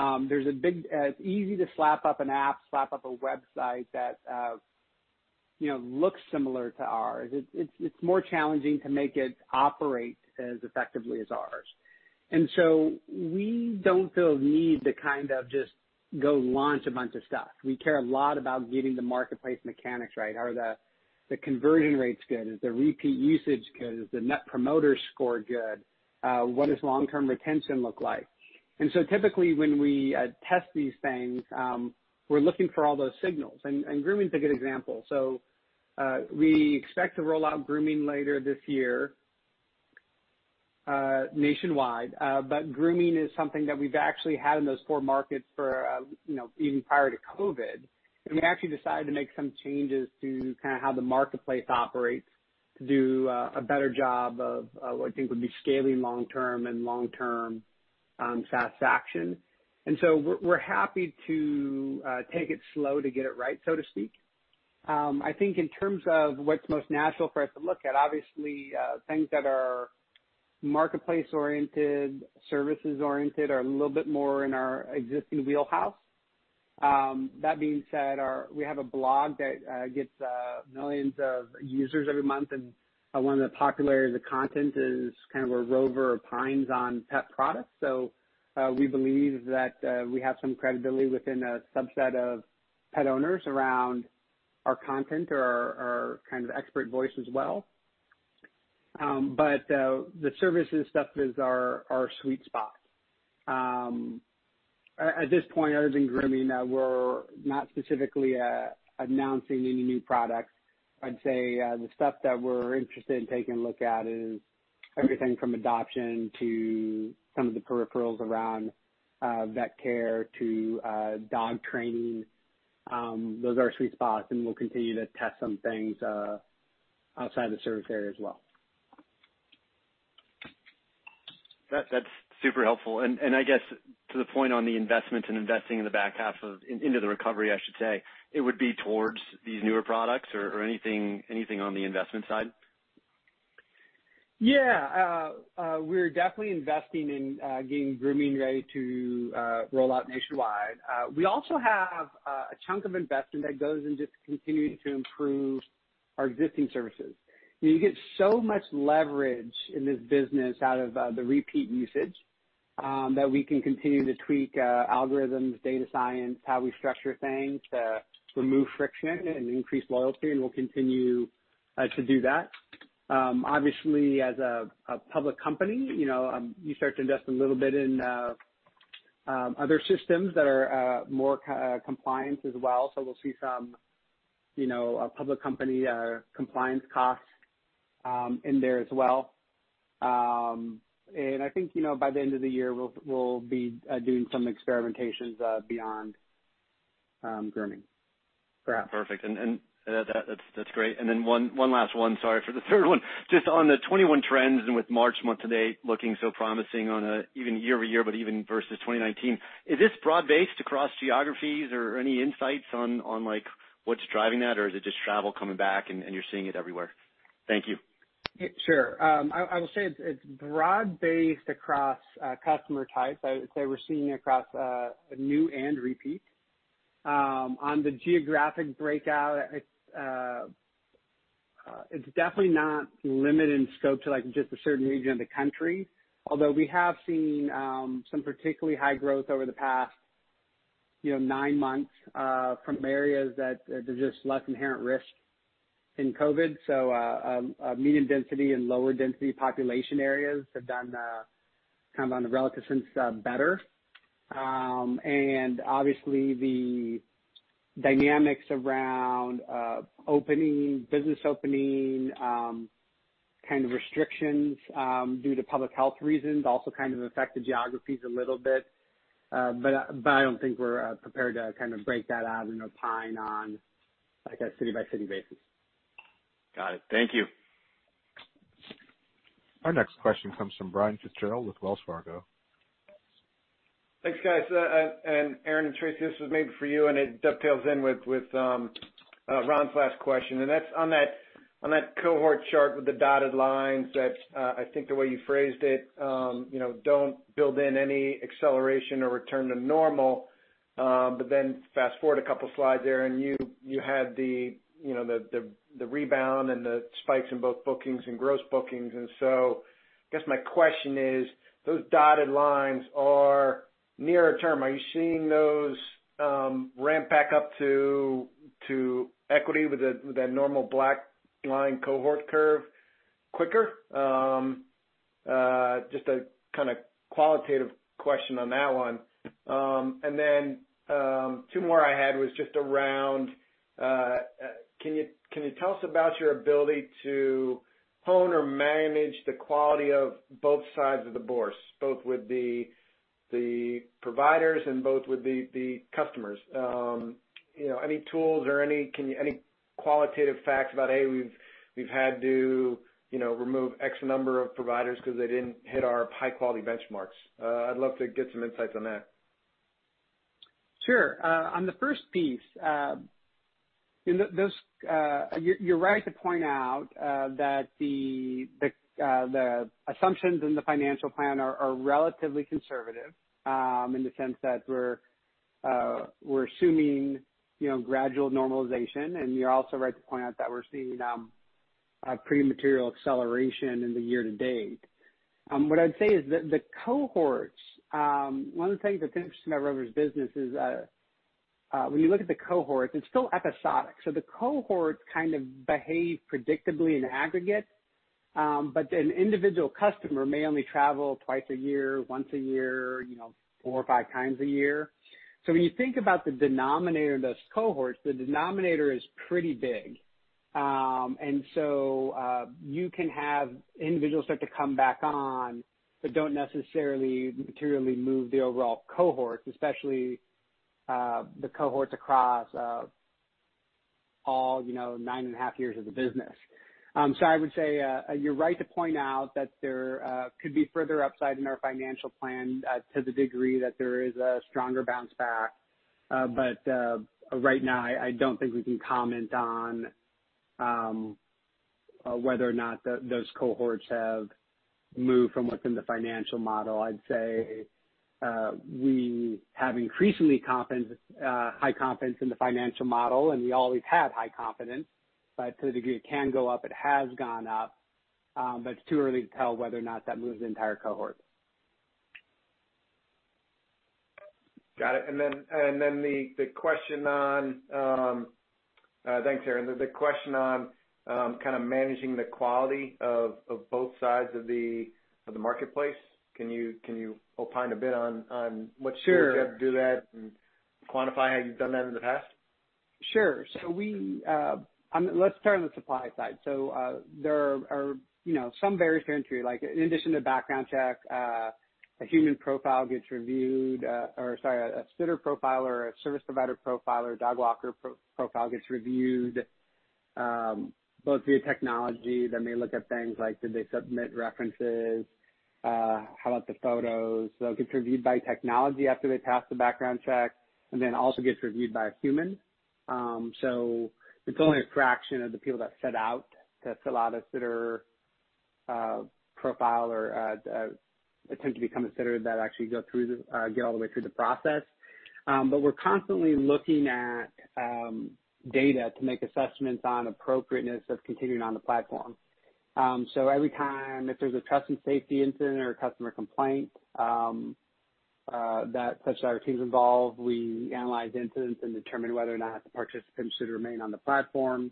It's easy to slap up an app, slap up a website that looks similar to ours. It's more challenging to make it operate as effectively as ours. We don't feel a need to just go launch a bunch of stuff. We care a lot about getting the marketplace mechanics right. Are the conversion rates good? Is the repeat usage good? Is the Net Promoter Score good? What does long-term retention look like? Typically, when we test these things, we're looking for all those signals. Grooming is a good example. We expect to roll out grooming later this year nationwide. Grooming is something that we've actually had in those four markets for even prior to COVID. We actually decided to make some changes to how the marketplace operates to do a better job of what I think would be scaling long-term and long-term satisfaction. We're happy to take it slow to get it right, so to speak. I think in terms of what's most natural for us to look at, obviously, things that are marketplace-oriented, services-oriented are a little bit more in our existing wheelhouse. That being said, we have a blog that gets millions of users every month. One of the popular content is where Rover opines on pet products. We believe that we have some credibility within a subset of pet owners around our content or our expert voice as well. The services stuff is our sweet spot. At this point, other than grooming, we're not specifically announcing any new products. I'd say the stuff that we're interested in taking a look at is everything from adoption to some of the peripherals around vet care to dog training. Those are our sweet spots. We'll continue to test some things outside the service area as well. That's super helpful. I guess to the point on the investment and investing in the back half of, into the recovery, I should say, it would be towards these newer products or anything on the investment side? Yeah. We're definitely investing in getting grooming ready to roll out nationwide. We also have a chunk of investment that goes into continuing to improve our existing services. You get so much leverage in this business out of the repeat usage that we can continue to tweak algorithms, data science, how we structure things to remove friction and increase loyalty, and we'll continue to do that. Obviously, as a public company, you start to invest a little bit in other systems that are more compliant as well. We'll see some public company compliance costs in there as well. I think by the end of the year, we'll be doing some experimentations beyond grooming. Perfect. That's great. Then one last one. Sorry for the third one. Just on the 2021 trends and with March month-to-date looking so promising on a even year-over-year, but even versus 2019, is this broad-based across geographies or any insights on what's driving that? Is it just travel coming back and you're seeing it everywhere? Thank you. Sure. I will say it's broad-based across customer types. I would say we're seeing it across new and repeat. On the geographic breakout, it's definitely not limited in scope to just a certain region of the country, although we have seen some particularly high growth over the past nine months from areas that there's just less inherent risk in COVID. Medium density and lower density population areas have done on the relative sense better. Obviously the dynamics around business opening kind of restrictions due to public health reasons also kind of affect the geographies a little bit. I don't think we're prepared to kind of break that out and opine on, like a city-by-city basis. Got it. Thank you. Our next question comes from Brian Fitzgerald with Wells Fargo. Thanks, guys. Aaron and Tracy, this was maybe for you, and it dovetails in with Ron's last question, and that's on that cohort chart with the dotted lines that I think the way you phrased it, don't build in any acceleration or return to normal. Fast-forward a couple slides there, and you had the rebound and the spikes in both bookings and gross bookings. I guess my question is those dotted lines are nearer term. Are you seeing those ramp back up to equity with a normal black line cohort curve quicker? Just a kind of qualitative question on that one. Two more I had was just around can you tell us about your ability to hone or manage the quality of both sides of the bourse, both with the providers and both with the customers? Any tools or any qualitative facts about, hey, we've had to remove X number of providers because they didn't hit our high-quality benchmarks. I'd love to get some insights on that. Sure. On the first piece, you're right to point out that the assumptions in the financial plan are relatively conservative, in the sense that we're assuming gradual normalization. You're also right to point out that we're seeing a pretty material acceleration in the year to date. What I'd say is that the cohorts, one of the things that's interesting about Rover Group's business is when you look at the cohorts, it's still episodic. The cohorts kind of behave predictably in aggregate. An individual customer may only travel twice a year, once a year, four or five times a year. When you think about the denominator of those cohorts, the denominator is pretty big. You can have individuals start to come back on, but don't necessarily materially move the overall cohort, especially the cohorts across all nine and a half years of the business. I would say you're right to point out that there could be further upside in our financial plan to the degree that there is a stronger bounce back. Right now, I don't think we can comment on whether or not those cohorts have moved from within the financial model. I'd say we have increasingly high confidence in the financial model, and we always have high confidence, but to the degree it can go up, it has gone up. It's too early to tell whether or not that moves the entire cohort. Got it. Thanks, Aaron. The question on kind of managing the quality of both sides of the marketplace. Can you opine a bit on what you do to do that and quantify how you've done that in the past? Sure. Let's start on the supply side. There are some barriers to entry, like in addition to background check, a human profile gets reviewed, or sorry, a sitter profile or a service provider profile or dog walker profile gets reviewed, both via technology that may look at things like did they submit references, how about the photos. It gets reviewed by technology after they pass the background check and then also gets reviewed by a human. It's only a fraction of the people that set out to fill out a sitter profile or attempt to become a sitter that actually go all the way through the process. We're constantly looking at data to make assessments on appropriateness of continuing on the platform. Every time, if there's a trust and safety incident or a customer complaint that touches our teams involved, we analyze incidents and determine whether or not the participants should remain on the platform.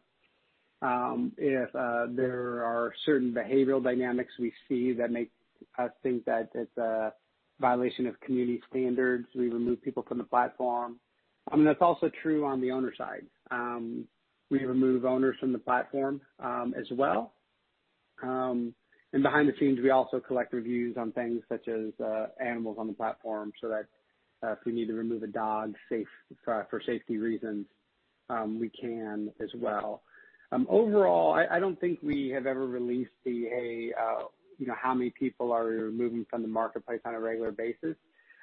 If there are certain behavioral dynamics we see that make us think that it's a violation of community standards, we remove people from the platform. I mean, that's also true on the owner side. We remove owners from the platform as well. Behind the scenes, we also collect reviews on things such as animals on the platform, so that if we need to remove a dog for safety reasons, we can as well. Overall, I don't think we have ever released how many people are removing from the marketplace on a regular basis.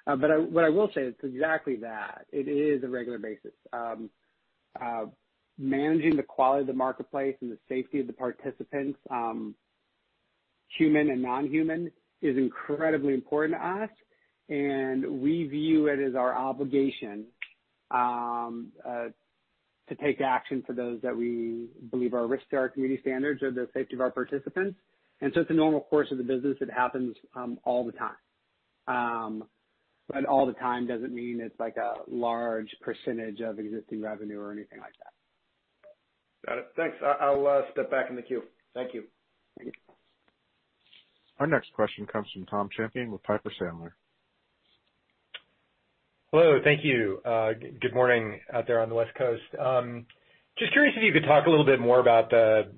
What I will say, it's exactly that. It is a regular basis. Managing the quality of the marketplace and the safety of the participants, human and non-human, is incredibly important to us, and we view it as our obligation to take action for those that we believe are a risk to our community standards or the safety of our participants. It's a normal course of the business. It happens all the time. All the time doesn't mean it's like a large percentage of existing revenue or anything like that. Got it. Thanks. I'll step back in the queue. Thank you. Thank you. Our next question comes from Tom Champion with Piper Sandler. Hello. Thank you. Good morning out there on the West Coast. Just curious if you could talk a little bit more about the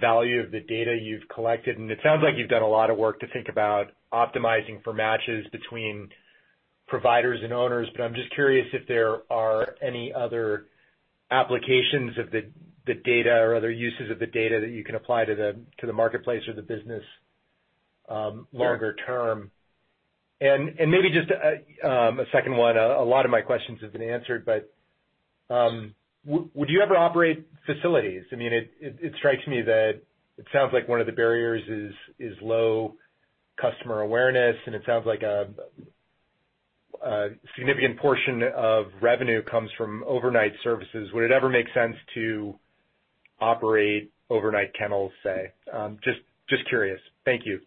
value of the data you've collected, and it sounds like you've done a lot of work to think about optimizing for matches between providers and owners, but I'm just curious if there are any other applications of the data or other uses of the data that you can apply to the marketplace or the business longer term. Maybe just a second one. A lot of my questions have been answered, but would you ever operate facilities? It strikes me that it sounds like one of the barriers is low customer awareness, and it sounds like a significant portion of revenue comes from overnight services. Would it ever make sense to operate overnight kennels, say? Just curious. Thank you.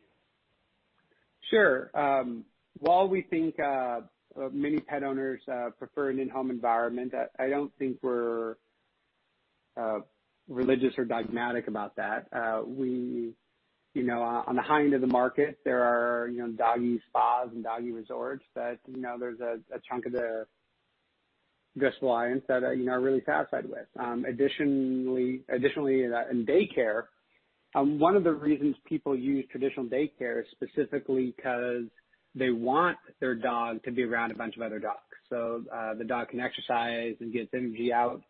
Sure. While we think many pet owners prefer an in-home environment, I don't think we're religious or dogmatic about that. On the high end of the market, there are doggy spas and doggy resorts that there's a chunk of the addressable audience that are really satisfied with. Additionally, in daycare, one of the reasons people use traditional daycare is specifically because they want their dog to be around a bunch of other dogs, so the dog can exercise and get its energy out.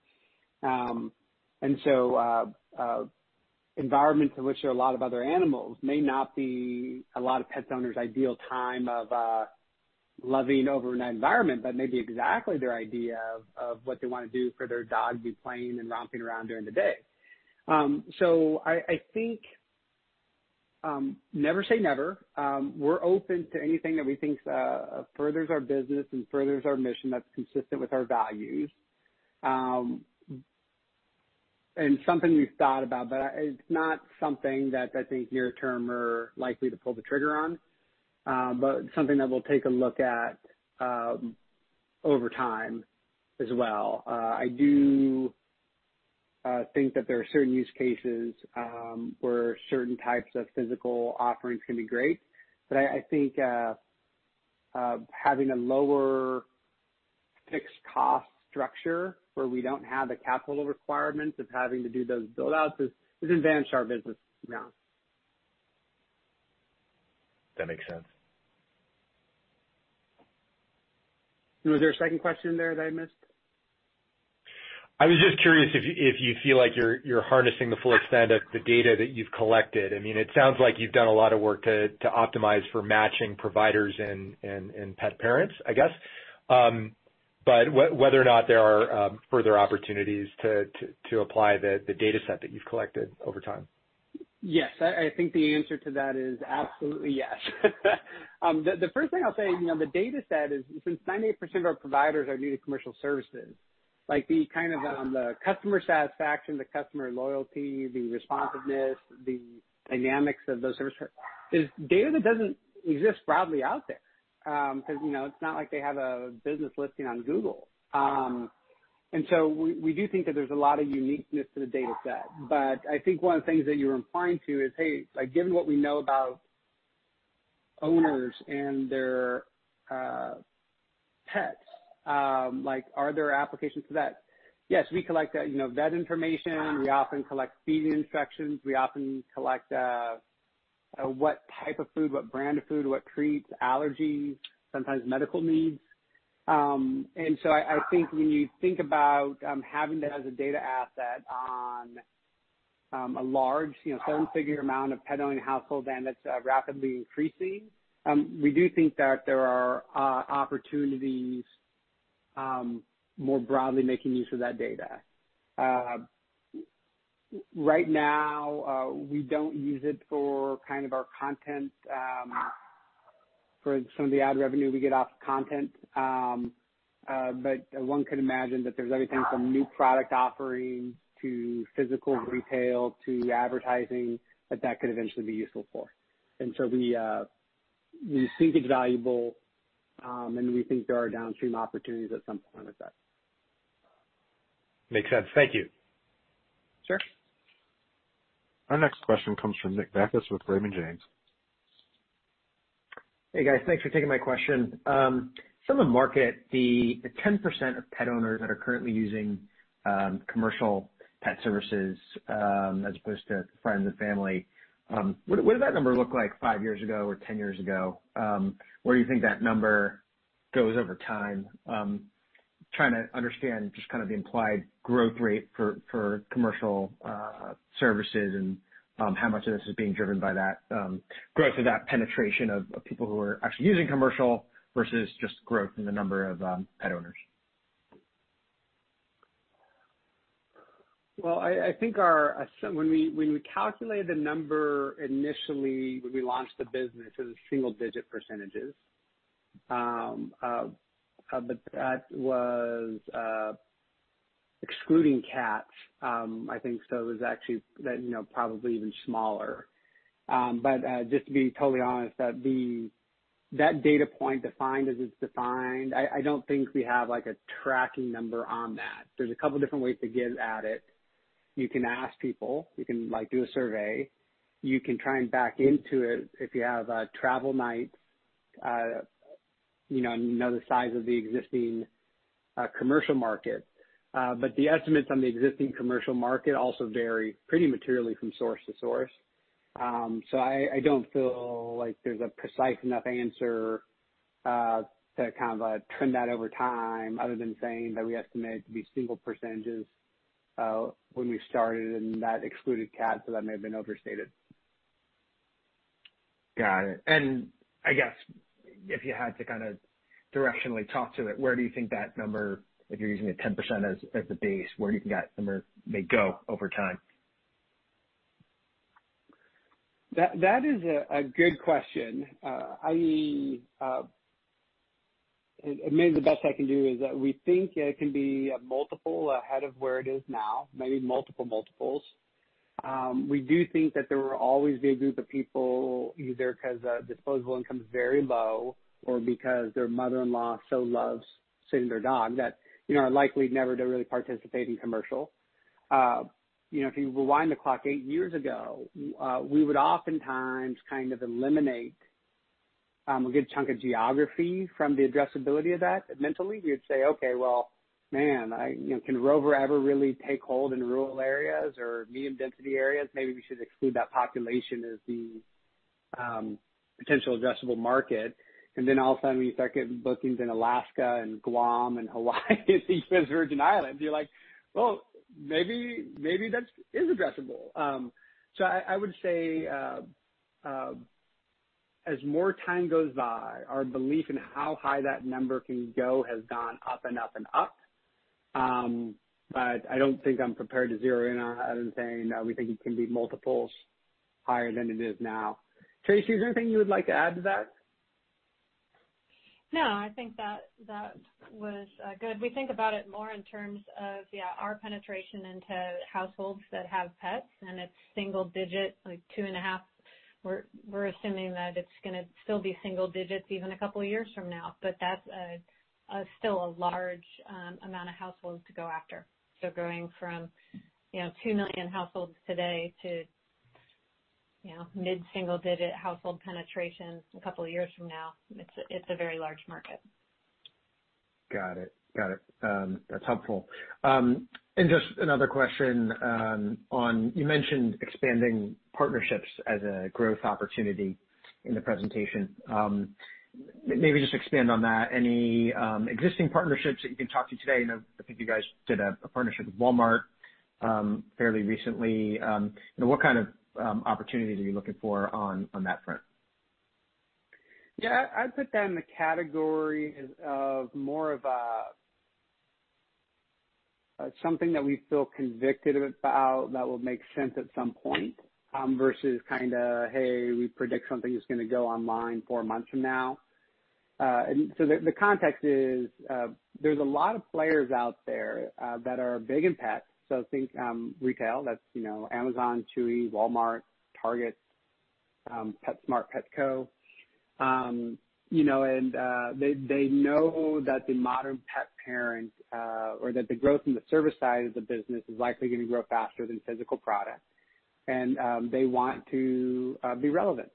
Environments in which there are a lot of other animals may not be a lot of pet owners' ideal time of loving overnight environment, but may be exactly their idea of what they want to do for their dog, be playing and romping around during the day. I think never say never. We're open to anything that we think furthers our business and furthers our mission, that's consistent with our values, and something we've thought about, but it's not something that I think near-term we're likely to pull the trigger on. Something that we'll take a look at over time as well. I do think that there are certain use cases where certain types of physical offerings can be great, but I think having a lower fixed cost structure where we don't have the capital requirements of having to do those build-outs has advanced our business now. That makes sense. Was there a second question there that I missed? I was just curious if you feel like you're harnessing the full extent of the data that you've collected. It sounds like you've done a lot of work to optimize for matching providers and pet parents, I guess. Whether or not there are further opportunities to apply the data set that you've collected over time. Yes. I think the answer to that is absolutely yes. The first thing I'll say, the data set is, since 98% of our providers are new to commercial services, like the customer satisfaction, the customer loyalty, the responsiveness, the dynamics of those service providers, is data that doesn't exist broadly out there. Because it's not like they have a business listing on Google. We do think that there's a lot of uniqueness to the data set. I think one of the things that you're implying to is, hey, given what we know about owners and their pets, are there applications to that? Yes, we collect vet information. We often collect feeding instructions. We often collect what type of food, what brand of food, what treats, allergies, sometimes medical needs. I think when you think about having that as a data asset on a large, seven-figure amount of pet-owning households, and that's rapidly increasing, we do think that there are opportunities more broadly making use of that data. Right now, we don't use it for our content for some of the ad revenue we get off content. One could imagine that there's everything from new product offerings to physical retail to advertising that that could eventually be useful for. We think it's valuable, and we think there are downstream opportunities at some point with that. Makes sense. Thank you. Sure. Our next question comes from Nick Backus with Raymond James. Hey, guys. Thanks for taking my question. Some of market, the 10% of pet owners that are currently using commercial pet services, as opposed to friends and family, what did that number look like five years ago or 10 years ago? Where do you think that number goes over time? Trying to understand just the implied growth rate for commercial services and how much of this is being driven by that growth or that penetration of people who are actually using commercial versus just growth in the number of pet owners. Well, I think when we calculated the number initially when we launched the business, it was single-digit %. That was excluding cats, I think, it was actually probably even smaller. Just to be totally honest, that data point defined as it's defined, I don't think we have a tracking number on that. There's a couple different ways to get at it. You can ask people, you can do a survey. You can try and back into it if you have travel nights, and you know the size of the existing commercial market. The estimates on the existing commercial market also vary pretty materially from source to source. I don't feel like there's a precise enough answer to trend that over time, other than saying that we estimate it to be single % when we started, and that excluded cats, so that may have been overstated. I guess if you had to directionally talk to it, where do you think that number, if you're using the 10% as the base, where do you think that number may go over time? That is a good question. Maybe the best I can do is that we think it can be a multiple ahead of where it is now, maybe multiple multiples. We do think that there will always be a group of people, either because their disposable income is very low or because their mother-in-law so loves sitting their dog, that are likely never to really participate in commercial. If you rewind the clock eight years ago, we would oftentimes eliminate a good chunk of geography from the addressability of that. Mentally, we would say, "Okay, well, man, can Rover ever really take hold in rural areas or medium-density areas? Maybe we should exclude that population as the potential addressable market." All of a sudden, we start getting bookings in Alaska and Guam and Hawaii and the U.S. Virgin Islands, and you're like, "Well, maybe that is addressable." I would say as more time goes by, our belief in how high that number can go has gone up and up and up. I don't think I'm prepared to zero in on it other than saying that we think it can be multiples higher than it is now. Tracy, is there anything you would like to add to that? No, I think that was good. We think about it more in terms of our penetration into households that have pets, and it's single-digit, like two and a half. We're assuming that it's going to still be single digits even a couple of years from now, but that's still a large amount of households to go after. Going from 2 million households today to mid-single-digit household penetration a couple of years from now, it's a very large market. Got it. That's helpful. Just another question on, you mentioned expanding partnerships as a growth opportunity in the presentation. Maybe just expand on that. Any existing partnerships that you can talk to today? I know, I think you guys did a partnership with Walmart fairly recently. What kind of opportunities are you looking for on that front? Yeah, I'd put that in the category of more of something that we feel convicted about that will make sense at some point, versus kind of, "Hey, we predict something is going to go online 4 months from now." The context is there's a lot of players out there that are big in pets. Think retail, that's Amazon, Chewy, Walmart, Target, PetSmart, Petco. They know that the modern pet parent or that the growth in the service side of the business is likely going to grow faster than physical product, and they want to be relevant.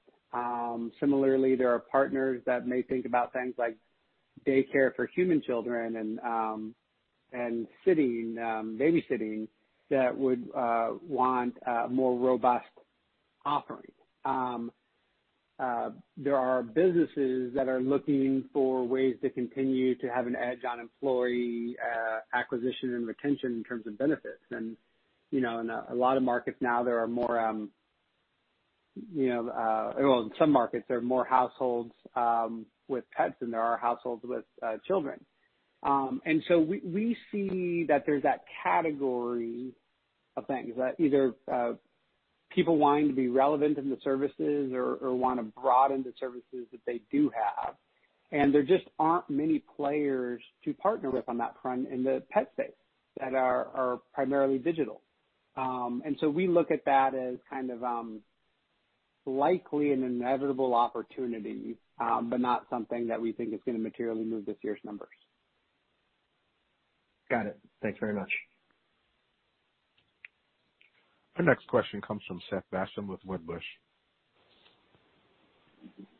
Similarly, there are partners that may think about things like daycare for human children and babysitting that would want a more robust offering. There are businesses that are looking for ways to continue to have an edge on employee acquisition and retention in terms of benefits. In a lot of markets now, Well, in some markets, there are more households with pets than there are households with children. We see that there's that category of things that either people wanting to be relevant in the services or want to broaden the services that they do have, and there just aren't many players to partner with on that front in the pet space that are primarily digital. We look at that as likely an inevitable opportunity, but not something that we think is going to materially move this year's numbers. Got it. Thanks very much. The next question comes from Seth Basham with Wedbush.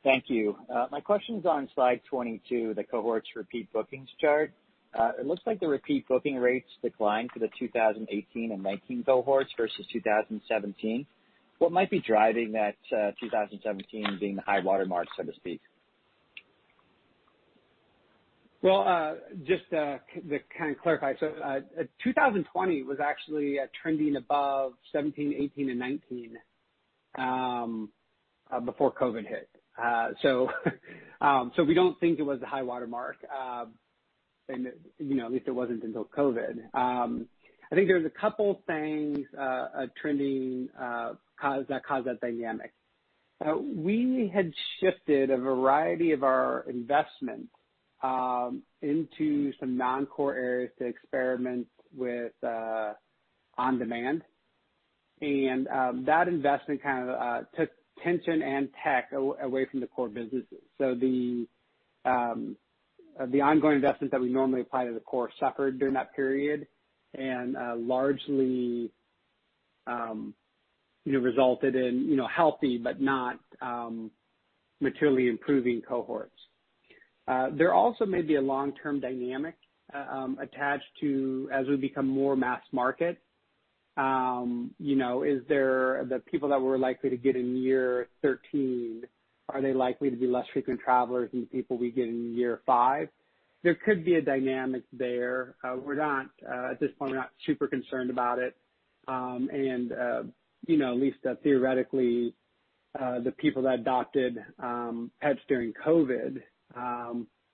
Thank you. My question's on slide 22, the cohorts repeat bookings chart. It looks like the repeat booking rates declined for the 2018 and 2019 cohorts versus 2017. What might be driving that 2017 being the high water mark, so to speak? Just to kind of clarify, 2020 was actually trending above 2017, 2018, and 2019 before COVID hit. We don't think it was the high water mark. At least it wasn't until COVID. I think there's a couple things trending that caused that dynamic. We had shifted a variety of our investments into some non-core areas to experiment with on-demand. That investment kind of took attention and tech away from the core businesses. The ongoing investments that we normally apply to the core suffered during that period and largely resulted in healthy but not materially improving cohorts. There also may be a long-term dynamic attached to as we become more mass market. The people that we're likely to get in year 13, are they likely to be less frequent travelers than people we get in year 5? There could be a dynamic there. At this point, we're not super concerned about it. At least theoretically, the people that adopted pets during COVID may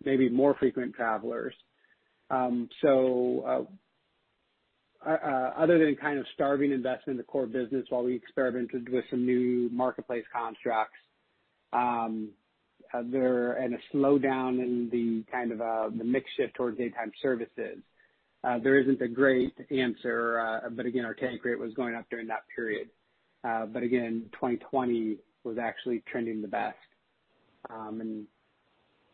be more frequent travelers. Other than kind of starving investment in the core business while we experimented with some new marketplace constructs, and a slowdown in the kind of the mix shift towards daytime services, there isn't a great answer. Again, our churn rate was going up during that period. Again, 2020 was actually trending the best.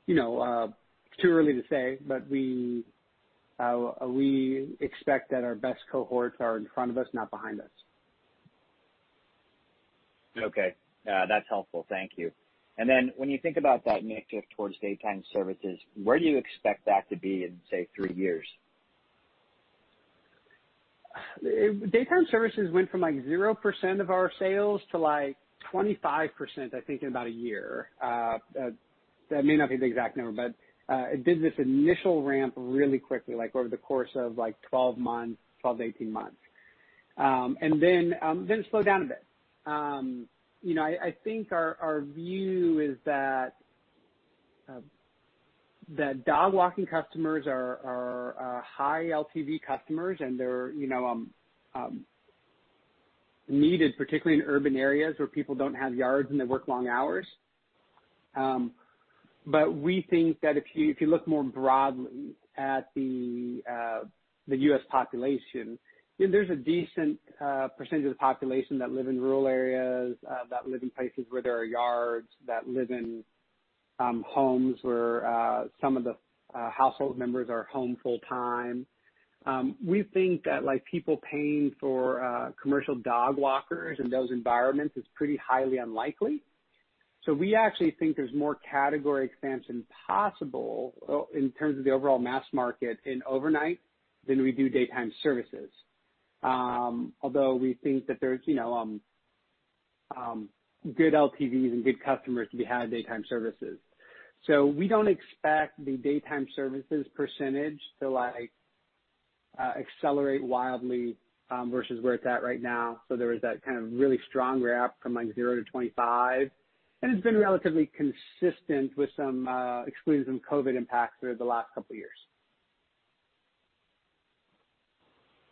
It's too early to say, but we expect that our best cohorts are in front of us, not behind us. Okay. That's helpful. Thank you. When you think about that mix shift towards daytime services, where do you expect that to be in, say, three years? Daytime services went from 0% of our sales to 25%, I think, in about a year. That may not be the exact number, but it did this initial ramp really quickly, over the course of 12 months, 12 to 18 months. It slowed down a bit. I think our view is that dog walking customers are high LTV customers, and they're needed particularly in urban areas where people don't have yards, and they work long hours. We think that if you look more broadly at the U.S. population, there's a decent percentage of the population that live in rural areas, that live in places where there are yards, that live in homes where some of the household members are home full time. We think that people paying for commercial dog walkers in those environments is pretty highly unlikely. We actually think there's more category expansion possible in terms of the overall mass market in overnight than we do daytime services. Although we think that there's good LTVs and good customers to be had in daytime services. We don't expect the daytime services % to accelerate wildly, versus where it's at right now. There was that kind of really strong ramp from 0 to 25, and it's been relatively consistent, excluding some COVID impacts, through the last couple of years.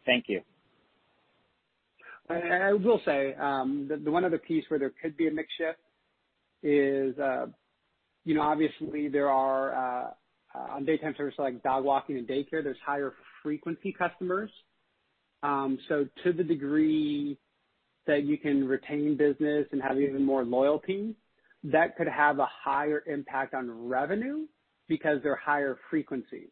Thank you. I will say, the one other piece where there could be a mix shift is obviously there are, on daytime services like dog walking and daycare, there's higher frequency customers. To the degree that you can retain business and have even more loyalty, that could have a higher impact on revenue because they're higher frequency.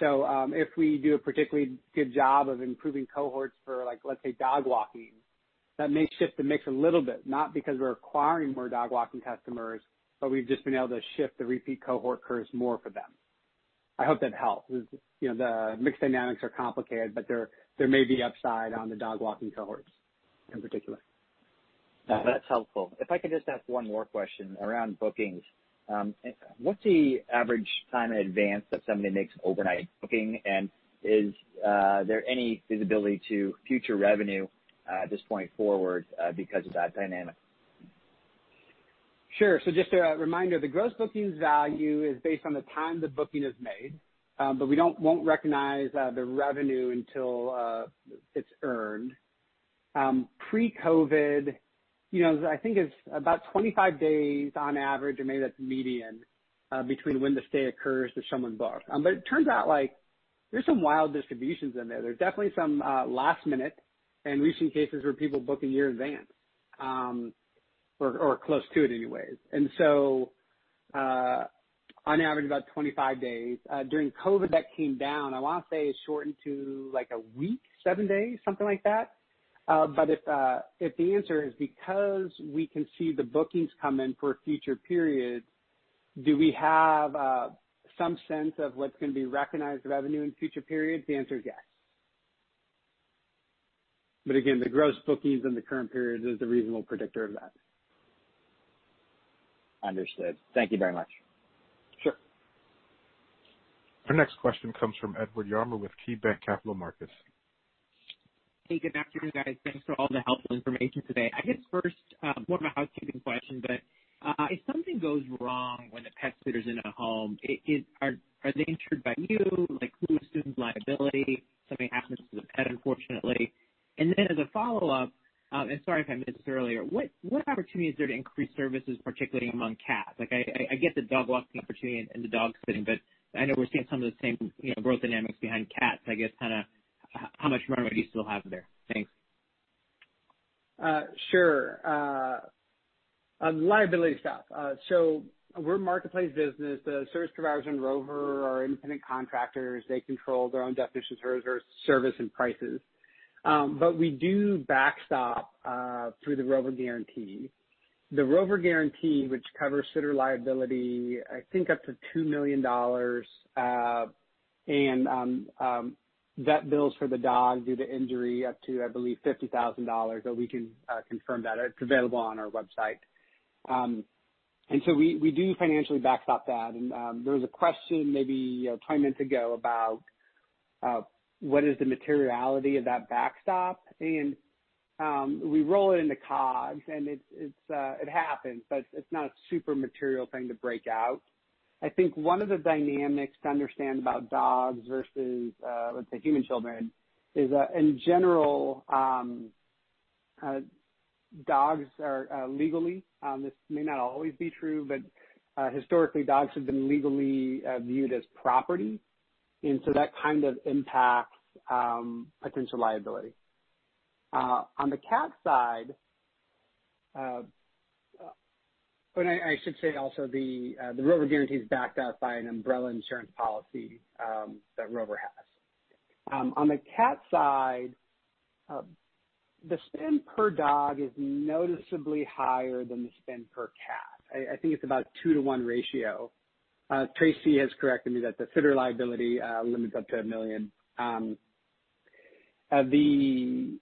If we do a particularly good job of improving cohorts for, let's say, dog walking, that may shift the mix a little bit, not because we're acquiring more dog walking customers, but we've just been able to shift the repeat cohort curves more for them. I hope that helps. The mix dynamics are complicated, but there may be upside on the dog walking cohorts in particular. That's helpful. If I could just ask one more question around bookings. What's the average time in advance that somebody makes an overnight booking, and is there any visibility to future revenue at this point forward because of that dynamic? Sure. Just a reminder, the gross bookings value is based on the time the booking is made, but we won't recognize the revenue until it's earned. Pre-COVID, I think it's about 25 days on average, or maybe that's median, between when the stay occurs to someone's book. It turns out there's some wild distributions in there. There's definitely some last minute, and we've seen cases where people book a year in advance. Or close to it anyways. On average, about 25 days. During COVID, that came down. I want to say it shortened to a week, seven days, something like that. If the answer is because we can see the bookings come in for future periods, do we have some sense of what's going to be recognized revenue in future periods? The answer is yes. Again, the gross bookings in the current period is the reasonable predictor of that. Understood. Thank you very much. Sure. Our next question comes from Edward Yruma with KeyBanc Capital Markets. Hey, good afternoon, guys. Thanks for all the helpful information today. I guess first, more of a housekeeping question, but if something goes wrong when a pet sitter's in a home, are they insured by you? Like who assumes liability if something happens to the pet, unfortunately? Then as a follow-up, and sorry if I missed this earlier, what opportunity is there to increase services, particularly among cats? I get the dog walking opportunity and the dog sitting, but I know we're seeing some of the same growth dynamics behind cats. I guess how much runway do you still have there? Thanks. Sure. Liability stuff. We're a marketplace business. The service providers in Rover are independent contractors. They control their own definition of service and prices. We do backstop through the Rover Guarantee. The Rover Guarantee, which covers sitter liability, I think up to $2 million, and vet bills for the dog due to injury up to, I believe, $50,000, but we can confirm that. It's available on our website. We do financially backstop that. There was a question maybe 20 minutes ago about what is the materiality of that backstop. We roll it into COGS, and it happens, but it's not a super material thing to break out. I think one of the dynamics to understand about dogs versus, let's say, human children is, in general, dogs are legally, this may not always be true, but historically, dogs have been legally viewed as property. That kind of impacts potential liability. On the cat side. I should say also, the Rover Guarantee is backed up by an umbrella insurance policy that Rover has. On the cat side, the spend per dog is noticeably higher than the spend per cat. I think it's about 2 to 1 ratio. Tracy has corrected me that the sitter liability limit's up to $1 million. The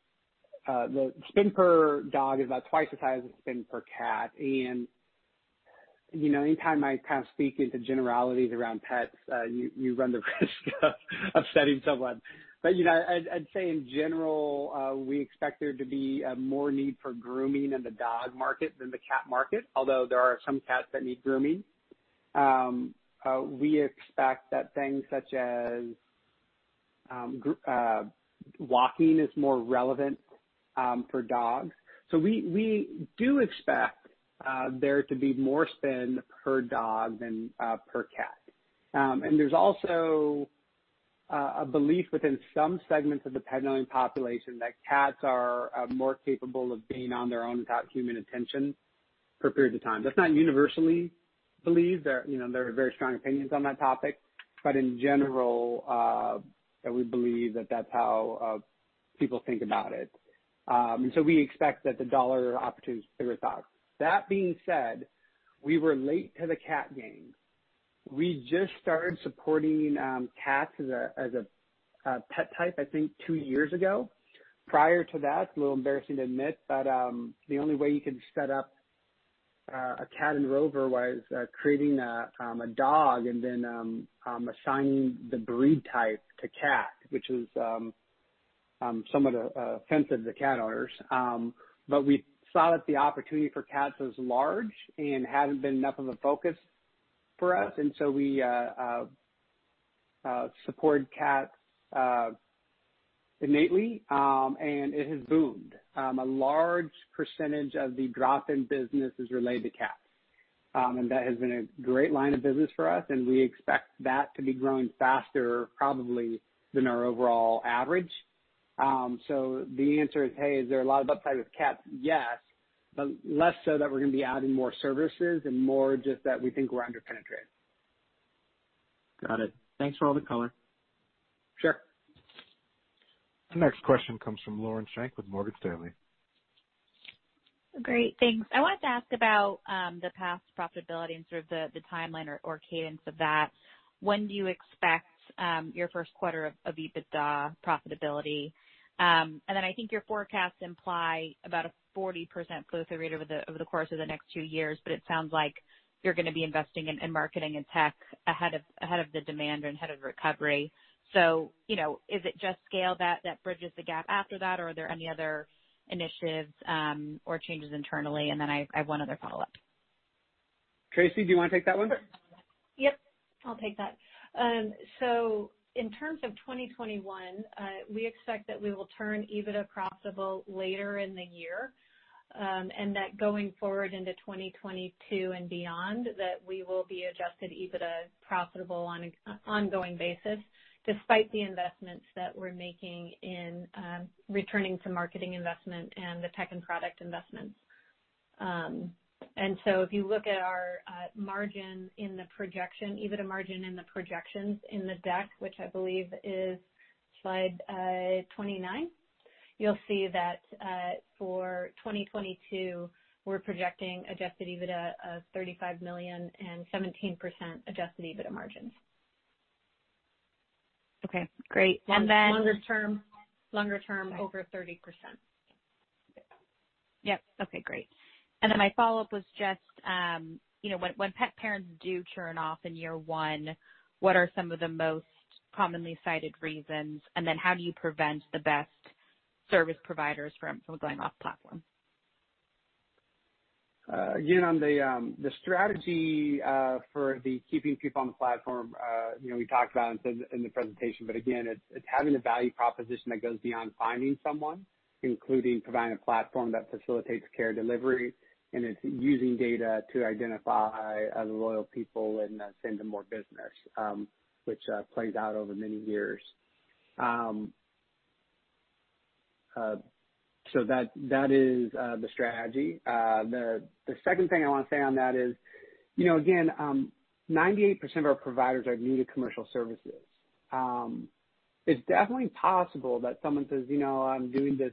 spend per dog is about twice as high as the spend per cat. Anytime I kind of speak into generalities around pets you run the risk of upsetting someone. I'd say in general we expect there to be more need for grooming in the dog market than the cat market, although there are some cats that need grooming. We expect that things such as walking is more relevant for dogs. We do expect there to be more spend per dog than per cat. There's also a belief within some segments of the pet-owning population that cats are more capable of being on their own without human attention for periods of time. That's not universally believed. There are very strong opinions on that topic, but in general, we believe that that's how people think about it. We expect that the dollar opportunity is bigger with dogs. That being said, we were late to the cat game. We just started supporting cats as a pet type, I think, two years ago. Prior to that, it's a little embarrassing to admit, but the only way you could set up a cat in Rover was creating a dog and then assigning the breed type to cat, which is somewhat offensive to cat owners. We saw that the opportunity for cats was large and hadn't been enough of a focus for us, and so we support cats innately. It has boomed. A large percentage of the drop-in business is related to cats. That has been a great line of business for us, and we expect that to be growing faster probably than our overall average. The answer is, hey, is there a lot of upside with cats? Yes, less so that we're going to be adding more services, and more just that we think we're under-penetrated. Got it. Thanks for all the color. Sure. The next question comes from Lauren Schenk with Morgan Stanley. Great. Thanks. I wanted to ask about the past profitability and sort of the timeline or cadence of that. When do you expect your first quarter of EBITDA profitability? I think your forecasts imply about a 40% growth rate over the course of the next two years, but it sounds like you're going to be investing in marketing and tech ahead of the demand or ahead of recovery. Is it just scale that bridges the gap after that, or are there any other initiatives or changes internally? I have one other follow-up. Tracy, do you want to take that one? Yep. I'll take that. In terms of 2021, we expect that we will turn EBITDA profitable later in the year. That going forward into 2022 and beyond, that we will be Adjusted EBITDA profitable on an ongoing basis despite the investments that we're making in returning some marketing investment and the tech and product investments. If you look at our margin in the projection, EBITDA margin in the projections in the deck, which I believe is slide 29, you'll see that for 2022, we're projecting Adjusted EBITDA of $35 million and 17% Adjusted EBITDA margin. Okay. Great. Longer term, over 30%. Yep. Okay, great. My follow-up was just when pet parents do churn off in year one, what are some of the most commonly cited reasons? How do you prevent the best service providers from going off platform? Again, on the strategy for the keeping people on the platform we talked about in the presentation, but again, it's having a value proposition that goes beyond finding someone, including providing a platform that facilitates care delivery, and it's using data to identify loyal people and send them more business, which plays out over many years. That is the strategy. The second thing I want to say on that is, again 98% of our providers are new to commercial services. It's definitely possible that someone says, "I'm doing this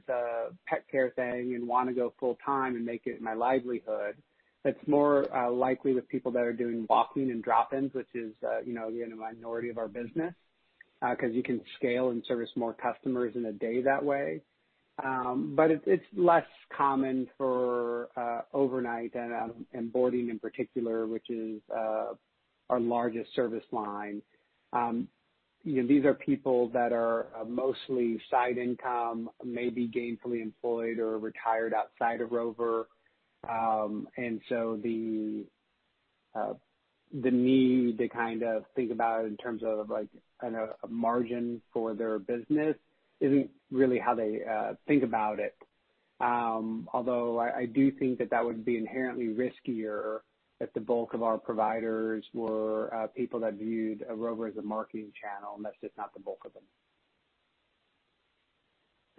pet care thing and want to go full time and make it my livelihood." That's more likely with people that are doing walking and drop-ins, which is again, a minority of our business, because you can scale and service more customers in a day that way. It's less common for overnight and boarding in particular, which is our largest service line. These are people that are mostly side income, maybe gainfully employed or retired outside of Rover. The need to think about it in terms of a margin for their business isn't really how they think about it. Although I do think that that would be inherently riskier if the bulk of our providers were people that viewed Rover as a marketing channel, and that's just not the bulk of them.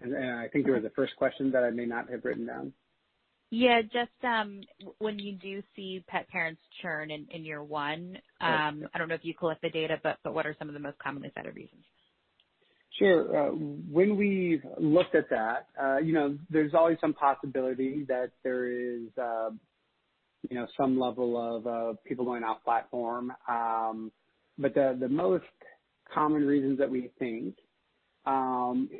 I think there was a first question that I may not have written down. Yeah, just when you do see pet parents churn in year one, I don't know if you collect the data, but what are some of the most commonly cited reasons? Sure. When we've looked at that, there's always some possibility that there is some level of people going off-platform. The most common reasons that we think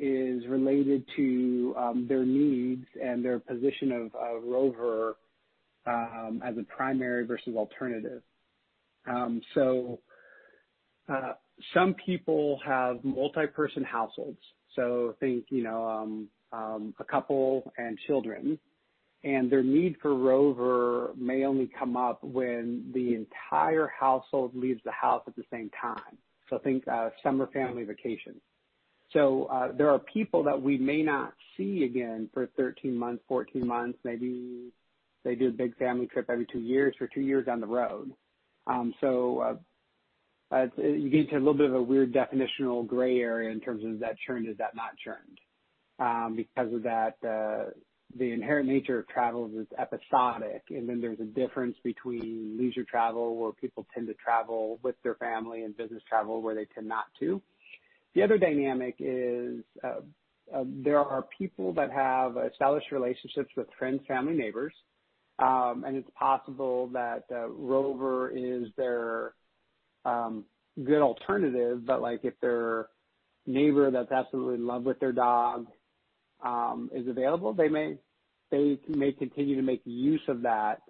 is related to their needs and their position of Rover as a primary versus alternative. Some people have multi-person households, so think a couple and children, and their need for Rover may only come up when the entire household leaves the house at the same time. Think summer family vacation. There are people that we may not see again for 13 months, 14 months, maybe they do a big family trip every two years. They're two years down the road. You get into a little bit of a weird definitional gray area in terms of is that churned, is that not churned because of that the inherent nature of travel is episodic, and then there's a difference between leisure travel, where people tend to travel with their family, and business travel, where they tend not to. The other dynamic is there are people that have established relationships with friends, family, neighbors, and it's possible that Rover is their good alternative, but if their neighbor that's absolutely in love with their dog is available, they may continue to make use of that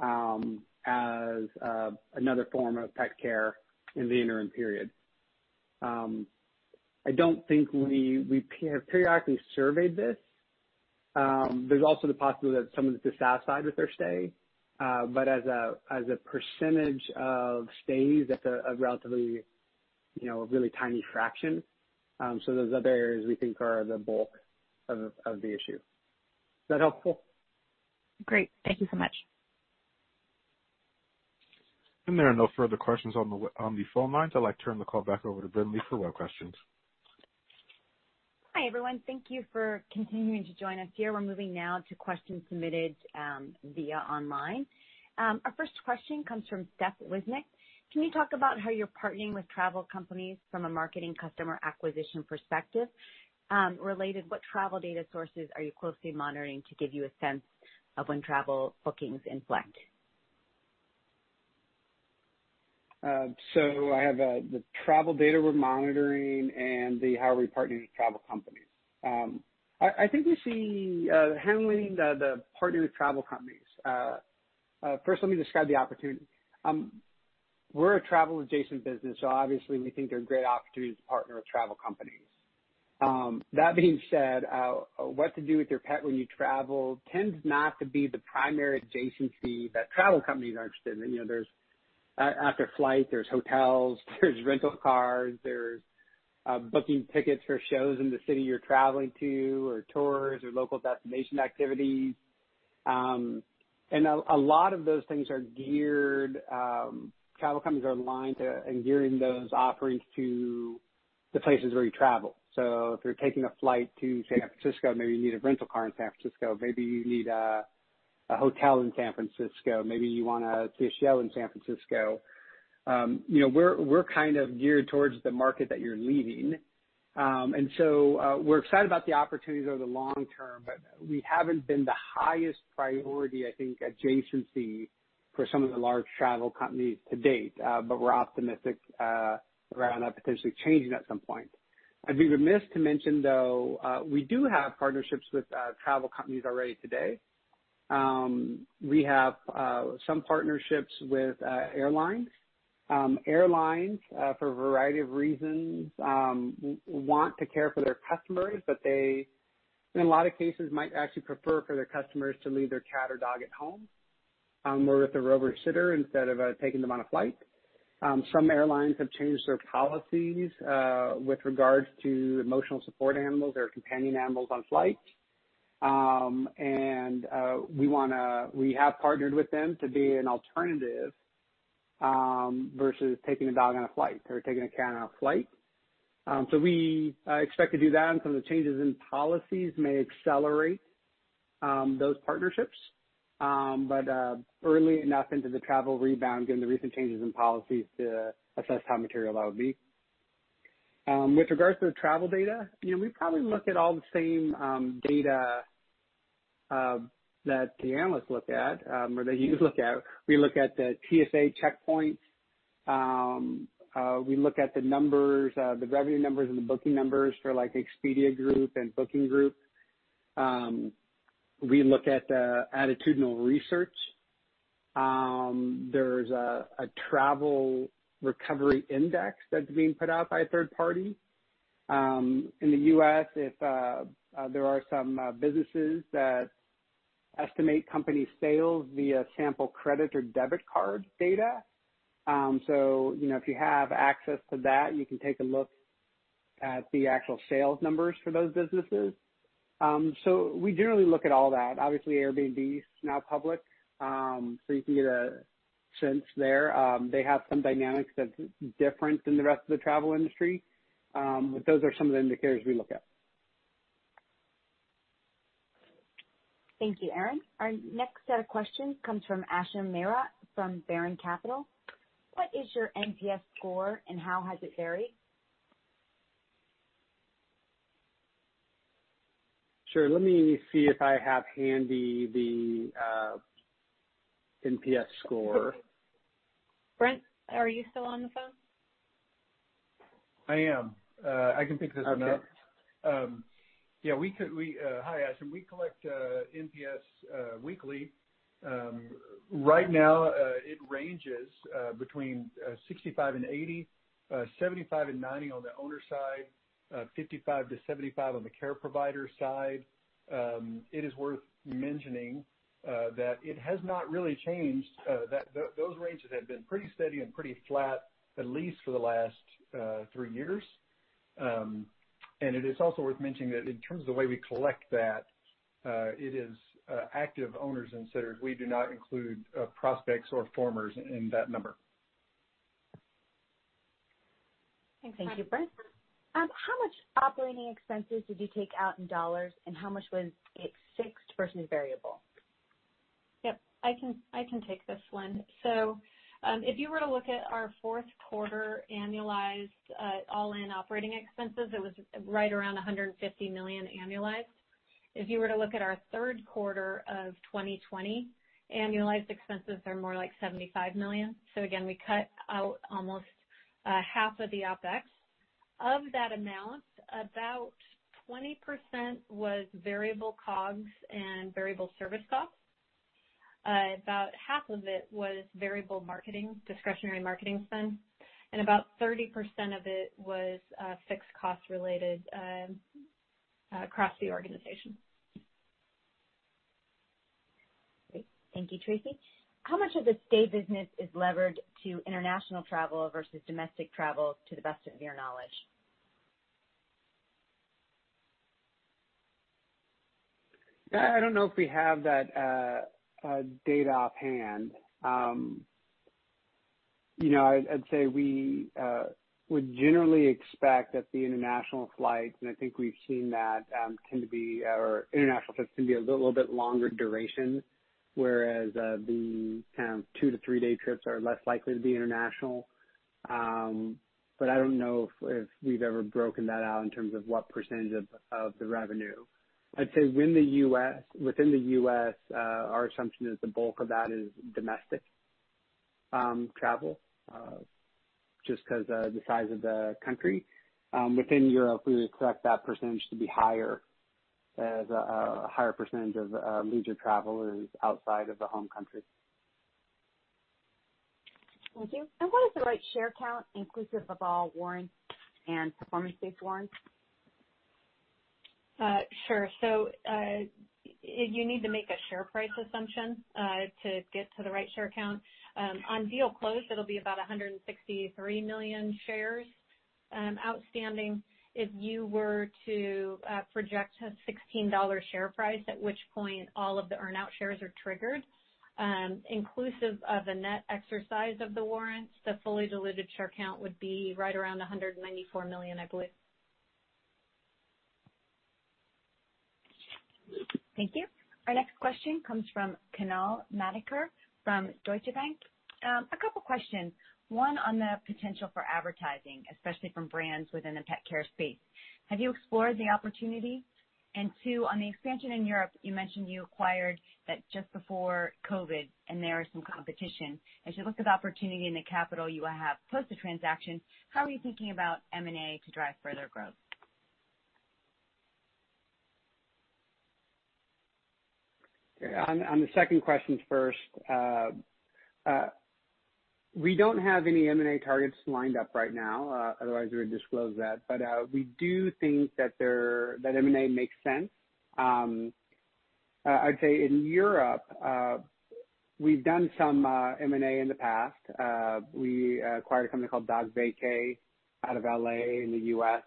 as another form of pet care in the interim period. We have periodically surveyed this. There's also the possibility that someone's dissatisfied with their stay, but as a % of stays, that's a relatively really tiny fraction. Those other areas we think are the bulk of the issue. Is that helpful? Great. Thank you so much. There are no further questions on the phone lines. I'd like to turn the call back over to Brynley for web questions. Hi, everyone. Thank you for continuing to join us here. We're moving now to questions submitted via online. Our first question comes from Steph Wissink. Can you talk about how you're partnering with travel companies from a marketing customer acquisition perspective? Related, what travel data sources are you closely monitoring to give you a sense of when travel bookings inflect? I have the travel data we're monitoring and how are we partnering with travel companies. I think we see handling the partnering with travel companies. First, let me describe the opportunity. We're a travel-adjacent business, so obviously we think there are great opportunities to partner with travel companies. That being said, what to do with your pet when you travel tends not to be the primary adjacency that travel companies are interested in. After flight, there's hotels, there's rental cars, there's booking tickets for shows in the city you're traveling to, or tours or local destination activities. A lot of those things are geared, travel companies are aligned to and gearing those offerings to the places where you travel. If you're taking a flight to San Francisco, maybe you need a rental car in San Francisco, maybe you need a hotel in San Francisco, maybe you want to see a show in San Francisco. We're kind of geared towards the market that you're leaving. We're excited about the opportunities over the long term, but we haven't been the highest priority, I think, adjacency for some of the large travel companies to date. We're optimistic around that potentially changing at some point. I'd be remiss to mention, though, we do have partnerships with travel companies already today. We have some partnerships with airlines. Airlines for a variety of reasons want to care for their customers, but they, in a lot of cases, might actually prefer for their customers to leave their cat or dog at home or with a Rover sitter instead of taking them on a flight. Some airlines have changed their policies with regards to emotional support animals or companion animals on flights. We have partnered with them to be an alternative versus taking a dog on a flight or taking a cat on a flight. We expect to do that, and some of the changes in policies may accelerate those partnerships. Early enough into the travel rebound, given the recent changes in policies to assess how material that would be. With regards to the travel data, we probably look at all the same data that the analysts look at or that you look at. We look at the TSA checkpoints. We look at the revenue numbers and the booking numbers for like Expedia Group and Booking Holdings. We look at the attitudinal research. There's a travel recovery index that's being put out by a third party. In the U.S., there are some businesses that estimate company sales via sample credit or debit card data. If you have access to that, you can take a look at the actual sales numbers for those businesses. We generally look at all that. Obviously, Airbnb is now public, so you can get a sense there. They have some dynamics that's different than the rest of the travel industry. Those are some of the indicators we look at. Thank you, Aaron. Our next set of questions comes from Ashim Mehra from Baron Capital. What is your NPS score and how has it varied? Sure. Let me see if I have handy the NPS score. Brent, are you still on the phone? I am. I can pick this one up. Okay. Hi, Ashim. We collect NPS weekly. Right now it ranges between 65-80, 75-90 on the owner side, 55-75 on the care provider side. It is worth mentioning that it has not really changed. Those ranges have been pretty steady and pretty flat, at least for the last three years. It is also worth mentioning that in terms of the way we collect that, it is active owners and sitters. We do not include prospects or formers in that number. Thank you, Brent. How much operating expenses did you take out in dollars, and how much was it fixed versus variable? Yep, I can take this one. If you were to look at our fourth quarter annualized all-in operating expenses, it was right around $150 million annualized. If you were to look at our third quarter of 2020, annualized expenses are more like $75 million. Again, we cut out almost half of the OpEx. Of that amount, about 20% was variable COGS and variable service costs. About half of it was variable marketing, discretionary marketing spend, and about 30% of it was fixed cost related across the organization. Great. Thank you, Tracy. How much of the stay business is levered to international travel versus domestic travel, to the best of your knowledge? I don't know if we have that data offhand. I'd say we would generally expect that the international flights, and I think we've seen that, tend to be our international trips can be a little bit longer duration, whereas the kind of two-to-three-day trips are less likely to be international. I don't know if we've ever broken that out in terms of what percentage of the revenue. I'd say within the U.S., our assumption is the bulk of that is domestic travel, just because of the size of the country. Within Europe, we would expect that % to be higher, as a higher percentage of leisure travel is outside of the home country. Thank you. What is the right share count inclusive of all warrants and performance-based warrants? Sure. You need to make a share price assumption to get to the right share count. On deal close, it'll be about 163 million shares outstanding. If you were to project a $16 share price, at which point all of the earn-out shares are triggered, inclusive of the net exercise of the warrants, the fully diluted share count would be right around 194 million, I believe. Thank you. Our next question comes from Kunal Madhukar from Deutsche Bank. A couple questions. One on the potential for advertising, especially from brands within the pet care space. Have you explored the opportunity? Two, on the expansion in Europe, you mentioned you acquired that just before COVID and there is some competition. As you look at the opportunity and the capital you have post the transaction, how are you thinking about M&A to drive further growth? On the second question first. We don't have any M&A targets lined up right now, otherwise we would disclose that. We do think that M&A makes sense. I'd say in Europe, we've done some M&A in the past. We acquired a company called DogVacay out of L.A. in the U.S.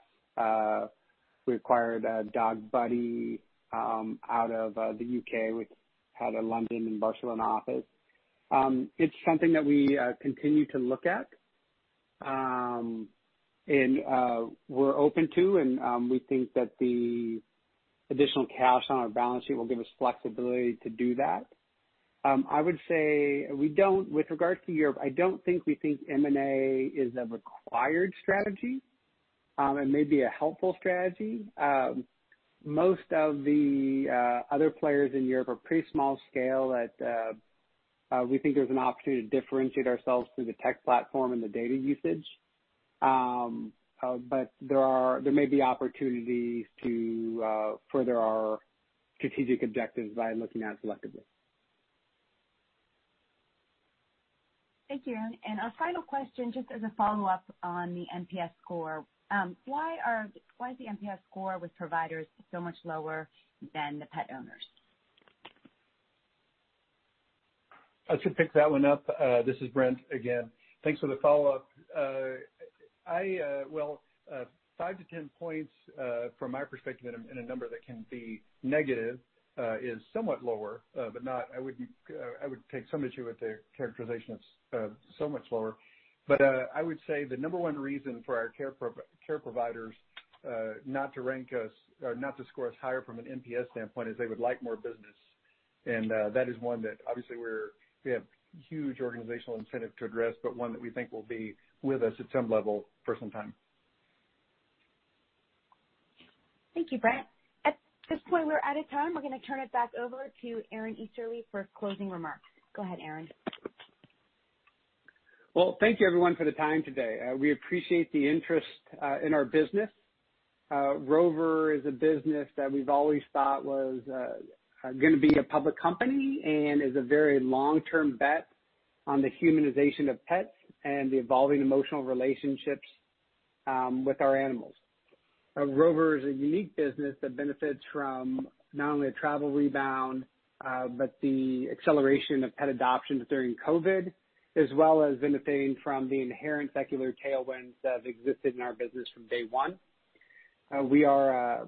We acquired DogBuddy out of the U.K., which had a London and Barcelona office. It's something that we continue to look at. We're open to, and we think that the additional cash on our balance sheet will give us flexibility to do that. I would say, with regards to Europe, I don't think we think M&A is a required strategy. It may be a helpful strategy. Most of the other players in Europe are pretty small scale that we think there's an opportunity to differentiate ourselves through the tech platform and the data usage. There may be opportunities to further our strategic objectives by looking at selectively. Thank you. Our final question, just as a follow-up on the NPS score. Why is the NPS score with providers so much lower than the pet owners? I should pick that one up. This is Brent again. Thanks for the follow-up. 5-10 points, from my perspective in a number that can be negative, is somewhat lower, but I would take some issue with the characterization of so much lower. I would say the number one reason for our care providers not to score us higher from an NPS standpoint is they would like more business, and that is one that obviously we have huge organizational incentive to address, but one that we think will be with us at some level for some time. Thank you, Brent. At this point, we're out of time. We're going to turn it back over to Aaron Easterly for closing remarks. Go ahead, Aaron. Well, thank you everyone for the time today. We appreciate the interest in our business. Rover is a business that we've always thought was going to be a public company and is a very long-term bet on the humanization of pets and the evolving emotional relationships with our animals. Rover is a unique business that benefits from not only a travel rebound, but the acceleration of pet adoptions during COVID, as well as benefiting from the inherent secular tailwinds that have existed in our business from day one. We are a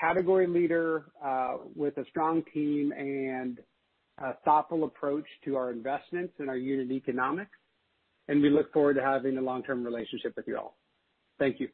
category leader with a strong team and a thoughtful approach to our investments and our unit economics, and we look forward to having a long-term relationship with you all. Thank you.